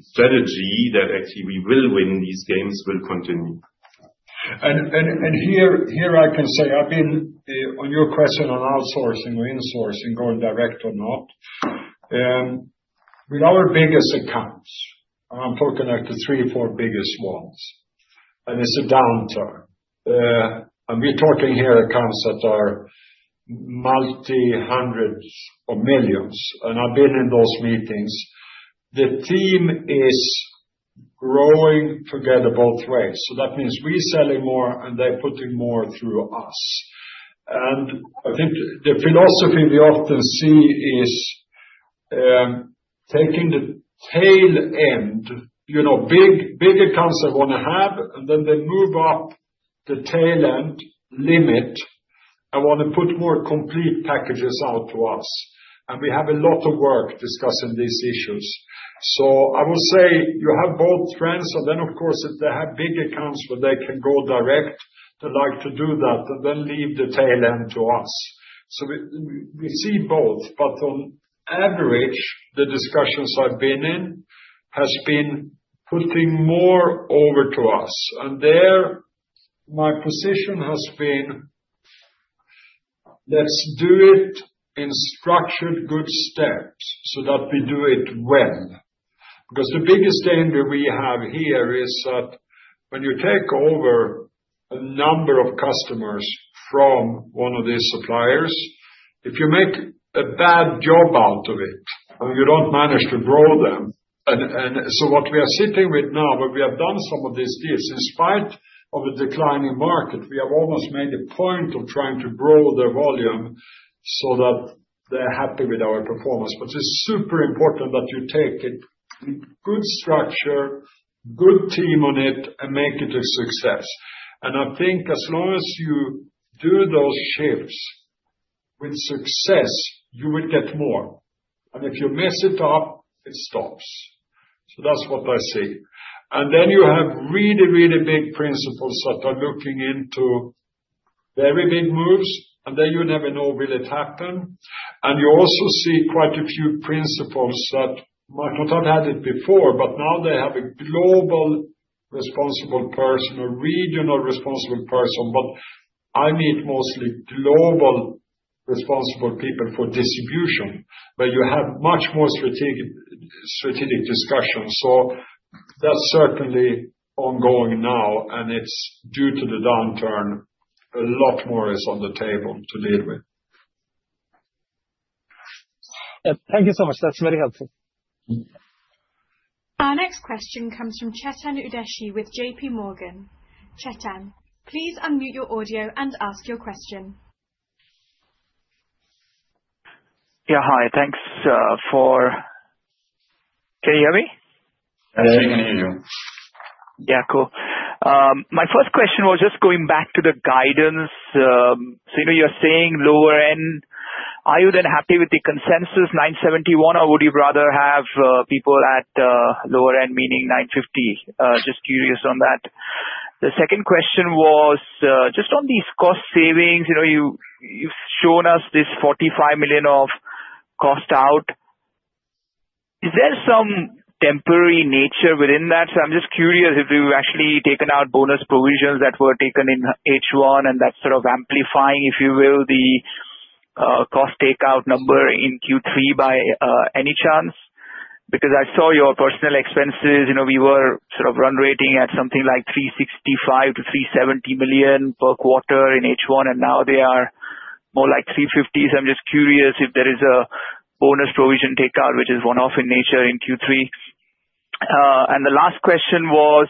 strategy that actually we will win these games will continue. And here I can say, I mean, on your question on outsourcing or insourcing, going direct or not, with our biggest accounts. I'm talking like the three or four biggest ones, and it's a downturn. And we're talking here accounts that are multi-hundreds of millions. And I've been in those meetings. The team is growing together both ways. So that means we're selling more, and they're putting more through us. And I think the philosophy we often see is taking the tail end. Big accounts I want to have, and then they move up the tail end limit. I want to put more complete packages out to us. And we have a lot of work discussing these issues. So I will say you have both trends. And then, of course, if they have big accounts where they can go direct, they like to do that and then leave the tail end to us. So we see both. But on average, the discussions I've been in have been putting more over to us. And there, my position has been, let's do it in structured good steps so that we do it well. Because the biggest danger we have here is that when you take over a number of customers from one of these suppliers, if you make a bad job out of it and you don't manage to grow them. And so what we are sitting with now, where we have done some of these deals, in spite of a declining market, we have almost made a point of trying to grow the volume so that they're happy with our performance. But it's super important that you take it in good structure, good team on it, and make it a success. And I think as long as you do those shifts with success, you would get more. And if you mess it up, it stops. So that's what I see. And then you have really, really big principals that are looking into very big moves. And then you never know, will it happen. And you also see quite a few principals that might not have had it before, but now they have a global responsible person, a regional responsible person. But I meet mostly global responsible people for distribution, where you have much more strategic discussions. So that's certainly ongoing now. And it's due to the downturn. A lot more is on the table to deal with. Thank you so much. That's very helpful. Our next question comes from Chetan Udeshi with J.P. Morgan. Chetan, please unmute your audio and ask your question. Yeah. Hi. Thanks. Can you hear me? Yes, we can hear you. Yeah. Cool. My first question was just going back to the guidance. So you're saying lower end. Are you then happy with the consensus 971, or would you rather have people at lower end, meaning 950? Just curious on that. The second question was just on these cost savings. You've shown us this 45 million of cost out. Is there some temporary nature within that? So I'm just curious if you've actually taken out bonus provisions that were taken in H1 and that sort of amplifying, if you will, the cost takeout number in Q3 by any chance? Because I saw your personnel expenses. We were sort of run rate at something like 365 million-370 million per quarter in H1, and now they are more like 350 million. So I'm just curious if there is a bonus provision takeout, which is one-off in nature in Q3. And the last question was,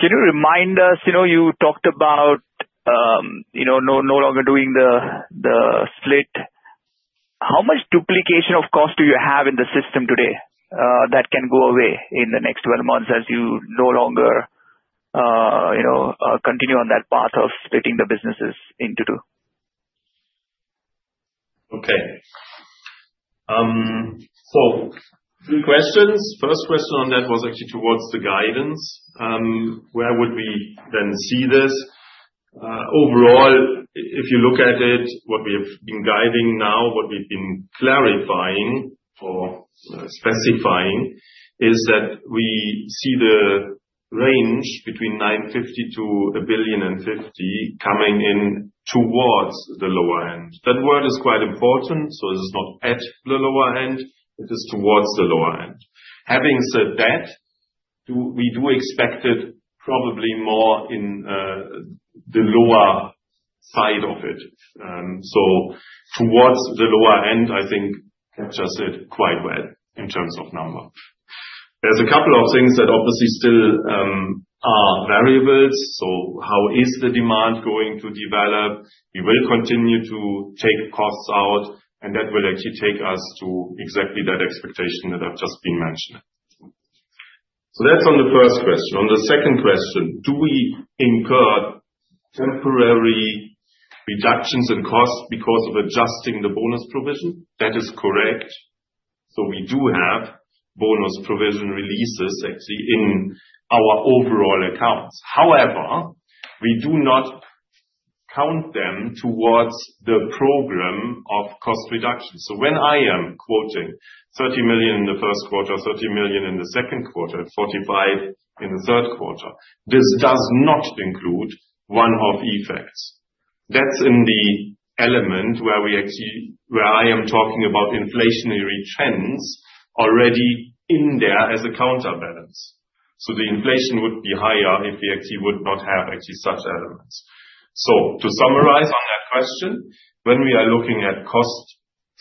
can you remind us? You talked about no longer doing the split. How much duplication of cost do you have in the system today that can go away in the next 12 months as you no longer continue on that path of splitting the businesses into two? Okay. So good questions. First question on that was actually towards the guidance. Where would we then see this? Overall, if you look at it, what we have been guiding now, what we've been clarifying or specifying is that we see the range between 950 million-1.05 billion coming in towards the lower end. That word is quite important. So this is not at the lower end. It is towards the lower end. Having said that, we do expect it probably more in the lower side of it. So towards the lower end, I think, captures it quite well in terms of number. There's a couple of things that obviously still are variables. So how is the demand going to develop? We will continue to take costs out, and that will actually take us to exactly that expectation that I've just been mentioning. So that's on the first question. On the second question, do we incur temporary reductions in cost because of adjusting the bonus provision? That is correct. So we do have bonus provision releases actually in our overall accounts. However, we do not count them towards the program of cost reduction. So when I am quoting 30 million in the first quarter, 30 million in the second quarter, and 45 in the third quarter, this does not include one-off effects. That's in the element where I am talking about inflationary trends already in there as a counterbalance. So the inflation would be higher if we actually would not have actually such elements. So to summarize on that question, when we are looking at cost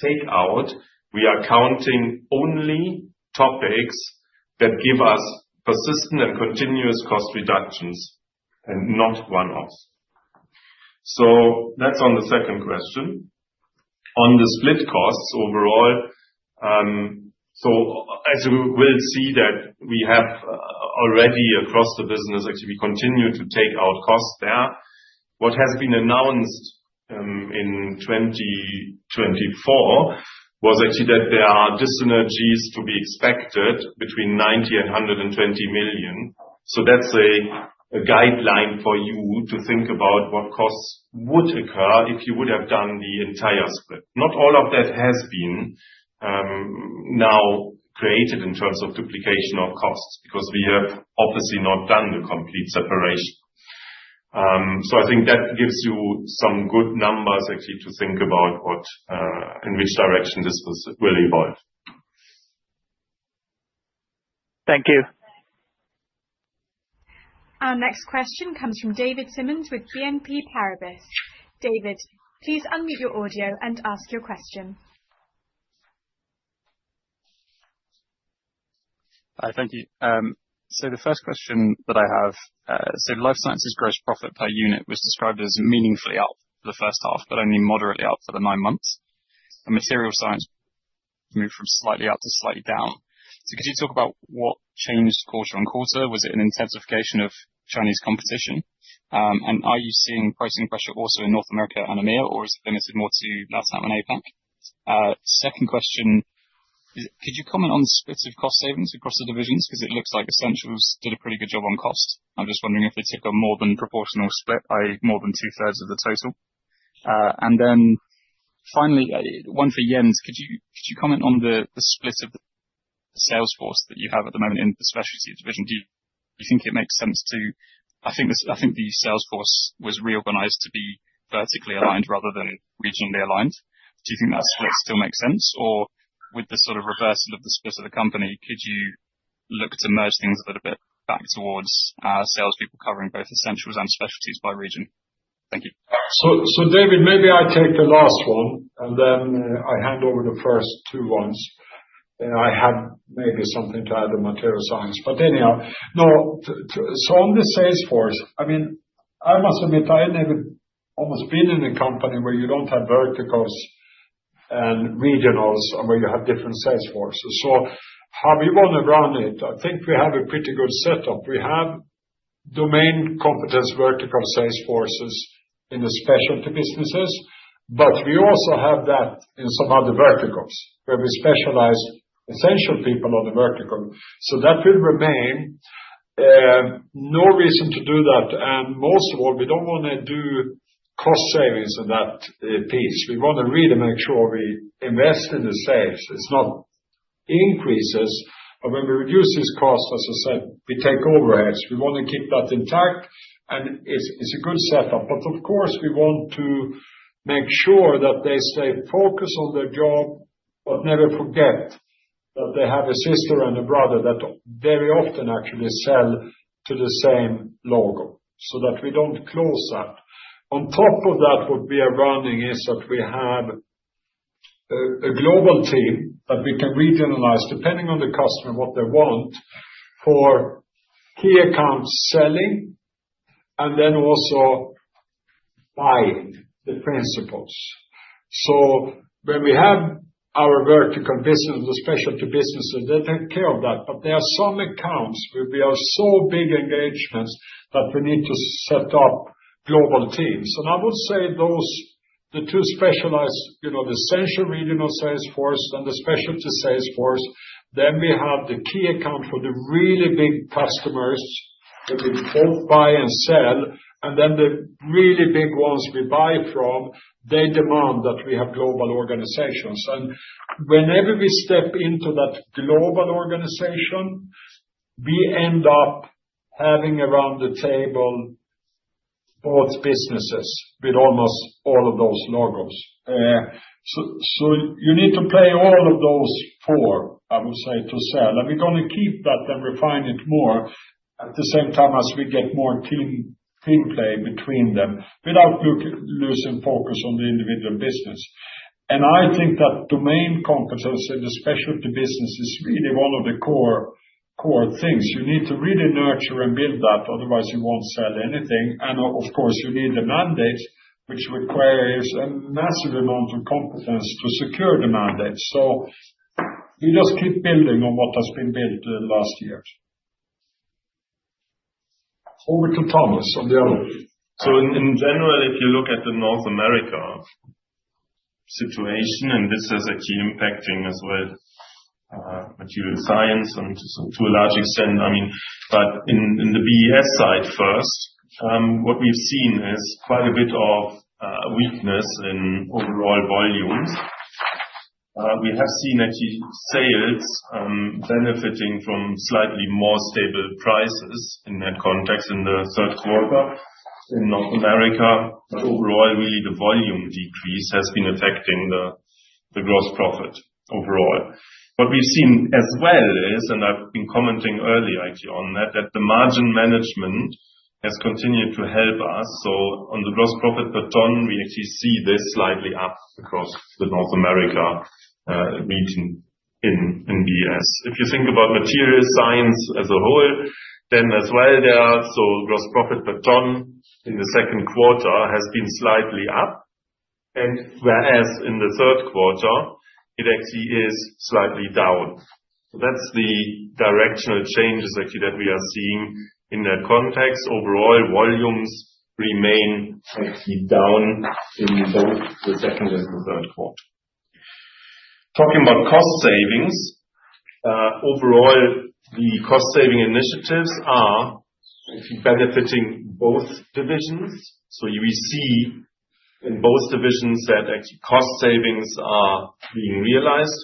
takeout, we are counting only topics that give us persistent and continuous cost reductions and not one-offs. So that's on the second question. On the split costs overall, so as you will see that we have already across the business, actually, we continue to take out costs there. What has been announced in 2024 was actually that there are dyssynergies to be expected between 90 million and 120 million. So that's a guideline for you to think about what costs would occur if you would have done the entire split. Not all of that has been now created in terms of duplication of costs because we have obviously not done the complete separation. So I think that gives you some good numbers actually to think about in which direction this will evolve. Thank you. Our next question comes from David Simmons with BNP Paribas. David, please unmute your audio and ask your question. Hi. Thank you. So the first question that I have, so Life Sciences gross profit per unit was described as meaningfully up for the first half, but only moderately up for the nine months. And Material Science moved from slightly up to slightly down. So could you talk about what changed quarter-on-quarter? Was it an intensification of Chinese competition? Are you seeing pricing pressure also in North America and EMEA, or is it limited more to LATAM and APAC? Second question, could you comment on the split of cost savings across the divisions? Because it looks like Essentials did a pretty good job on cost. I'm just wondering if they took a more than proportional split by more than two-thirds of the total. And then finally, one for Jens, could you comment on the split of the sales force that you have at the moment in the Specialty division? Do you think it makes sense to, I think the sales force was reorganized to be vertically aligned rather than regionally aligned. Do you think that split still makes sense? Or, with the sort of reversal of the split of the company, could you look to merge things a little bit back towards salespeople covering both Essentials and Specialties by region? Thank you. So, David, maybe I take the last one, and then I hand over the first two ones. And I have maybe something to add on Material Science. But anyhow, no. So on the sales force, I mean, I must admit, I had never almost been in a company where you don't have verticals and regionals and where you have different sales forces. So how we want to run it, I think we have a pretty good setup. We have domain competence vertical sales forces in the specialty businesses, but we also have that in some other verticals where we specialize essential people on the vertical. So that will remain. No reason to do that. And most of all, we don't want to do cost savings in that piece. We want to really make sure we invest in the sales. It's not increases. And when we reduce these costs, as I said, we take overheads. We want to keep that intact. And it's a good setup. But of course, we want to make sure that they stay focused on their job, but never forget that they have a sister and a brother that very often actually sell to the same logo so that we don't close that. On top of that, what we are running is that we have a global team that we can regionalize depending on the customer and what they want for key accounts selling and then also buying the principals. So when we have our vertical business, the specialty businesses, they take care of that. There are some accounts where we have so big engagements that we need to set up global teams. I would say the two Specialties, the Essentials regional sales force and the Specialties sales force. Then we have the key account for the really big customers that we both buy and sell. Then the really big ones we buy from, they demand that we have global organizations. Whenever we step into that global organization, we end up having around the table both businesses with almost all of those logos. You need to play all of those four, I would say, to sell. We're going to keep that and refine it more at the same time as we get more team play between them without losing focus on the individual business. I think that domain competence in the specialty business is really one of the core things. You need to really nurture and build that. Otherwise, you won't sell anything. And of course, you need the mandates, which requires a massive amount of competence to secure the mandates. So we just keep building on what has been built in the last years. Over to Thomas on the other one. In general, if you look at the North America situation, and this is actually impacting as well Material Science and to a large extent, I mean. In the BES side first, what we've seen is quite a bit of weakness in overall volumes. We have seen actually sales benefiting from slightly more stable prices in that context in the third quarter in North America. But overall, really, the volume decrease has been affecting the gross profit overall. What we've seen as well is, and I've been commenting earlier actually on that, that the margin management has continued to help us. So on the gross profit per ton, we actually see this slightly up across the North America region in BES. If you think about Material Science as a whole, then as well, so gross profit per ton in the second quarter has been slightly up, whereas in the third quarter, it actually is slightly down. So that's the directional changes actually that we are seeing in that context. Overall, volumes remain actually down in both the second and the third quarter. Talking about cost savings, overall, the cost saving initiatives are actually benefiting both divisions. So we see in both divisions that actually cost savings are being realized.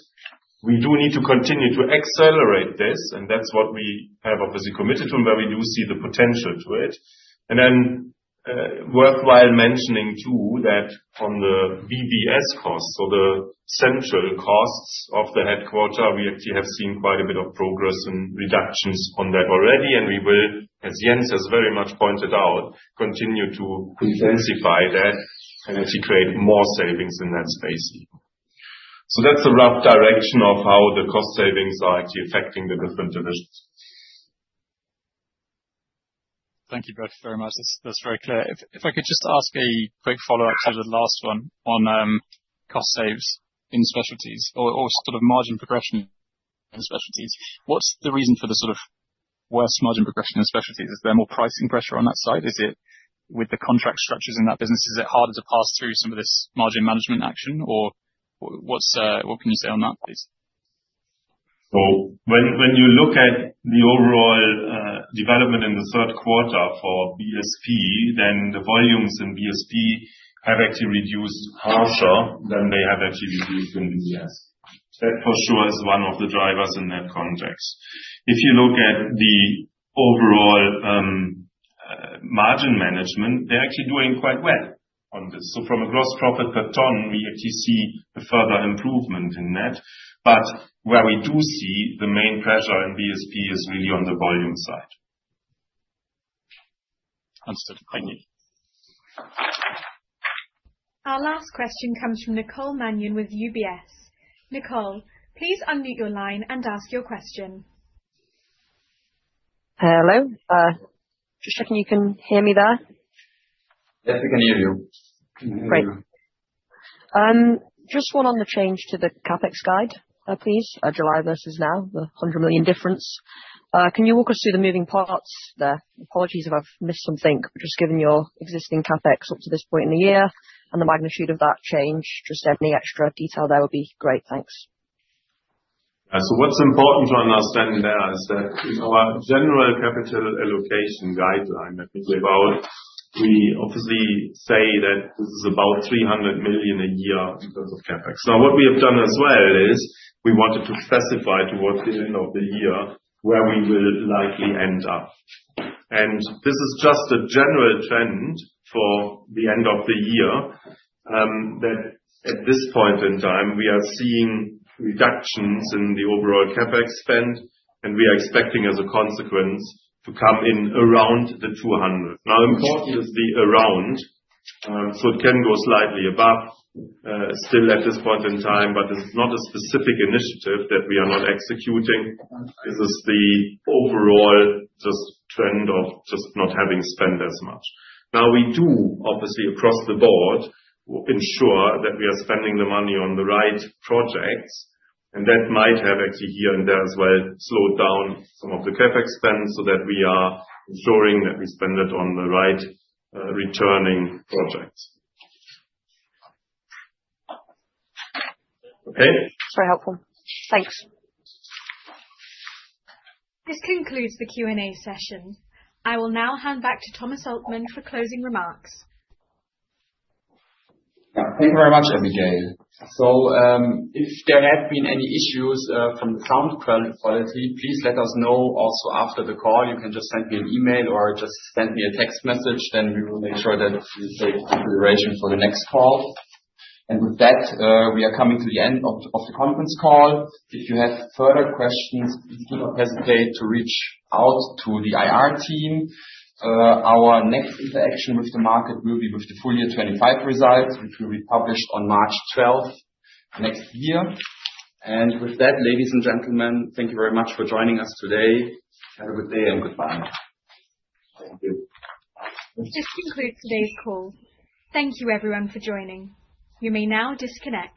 We do need to continue to accelerate this, and that's what we have obviously committed to, and where we do see the potential to it and then worthwhile mentioning too that on the BBS costs, so the central costs of the headquarters, we actually have seen quite a bit of progress and reductions on that already and we will, as Jens has very much pointed out, continue to intensify that and actually create more savings in that space so that's the rough direction of how the cost savings are actually affecting the different divisions. Thank you both very much. That's very clear. If I could just ask a quick follow-up to the last one on cost saves in Specialties or sort of margin progression in Specialties, what's the reason for the sort of worst margin progression in Specialties? Is there more pricing pressure on that side? Is it with the contract structures in that business? Is it harder to pass through some of this margin management action? Or what can you say on that, please? So when you look at the overall development in the third quarter for BSP, then the volumes in BSP have actually reduced harsher than they have actually reduced in BES. That for sure is one of the drivers in that context. If you look at the overall margin management, they're actually doing quite well on this. So from a gross profit per ton, we actually see a further improvement in that. But where we do see the main pressure in BSP is really on the volume side. Understood. Thank you. Our last question comes from Nicole Manion with UBS. Nicole, please unmute your line and ask your question. Hello. Just checking you can hear me there. Yes, we can hear you. Great. Just one on the change to the CapEx guide, please. July versus now, the 100 million difference. Can you walk us through the moving parts there? Apologies if I've missed some thing. But just given your existing CapEx up to this point in the year and the magnitude of that change, just any extra detail there would be great. Thanks. So what's important to understand there is that our general capital allocation guideline that we gave out, we obviously say that this is about 300 million a year in terms of CapEx. Now, what we have done as well is we wanted to specify towards the end of the year where we will likely end up. This is just a general trend for the end of the year that at this point in time, we are seeing reductions in the overall CapEx spend, and we are expecting as a consequence to come in around 200 million. Now, important is the around. So it can go slightly above still at this point in time, but this is not a specific initiative that we are not executing. This is the overall just trend of just not having spent as much. Now, we do obviously across the board ensure that we are spending the money on the right projects. And that might have actually here and there as well slowed down some of the CapEx spend so that we are ensuring that we spend it on the right returning projects. Okay? Very helpful. Thanks. This concludes the Q&A session. I will now hand back to Thomas Altmann for closing remarks. Thank you very much, Abigail. So if there have been any issues from the sound quality, please let us know also after the call. You can just send me an email or just send me a text message. Then we will make sure that we take consideration for the next call. And with that, we are coming to the end of the conference call. If you have further questions, please do not hesitate to reach out to the IR team. Our next interaction with the market will be with the full year 2025 results, which will be published on March 12th next year. And with that, ladies and gentlemen, thank you very much for joining us today. Have a good day and goodbye. Thank you. This concludes today's call. Thank you, everyone, for joining. You may now disconnect.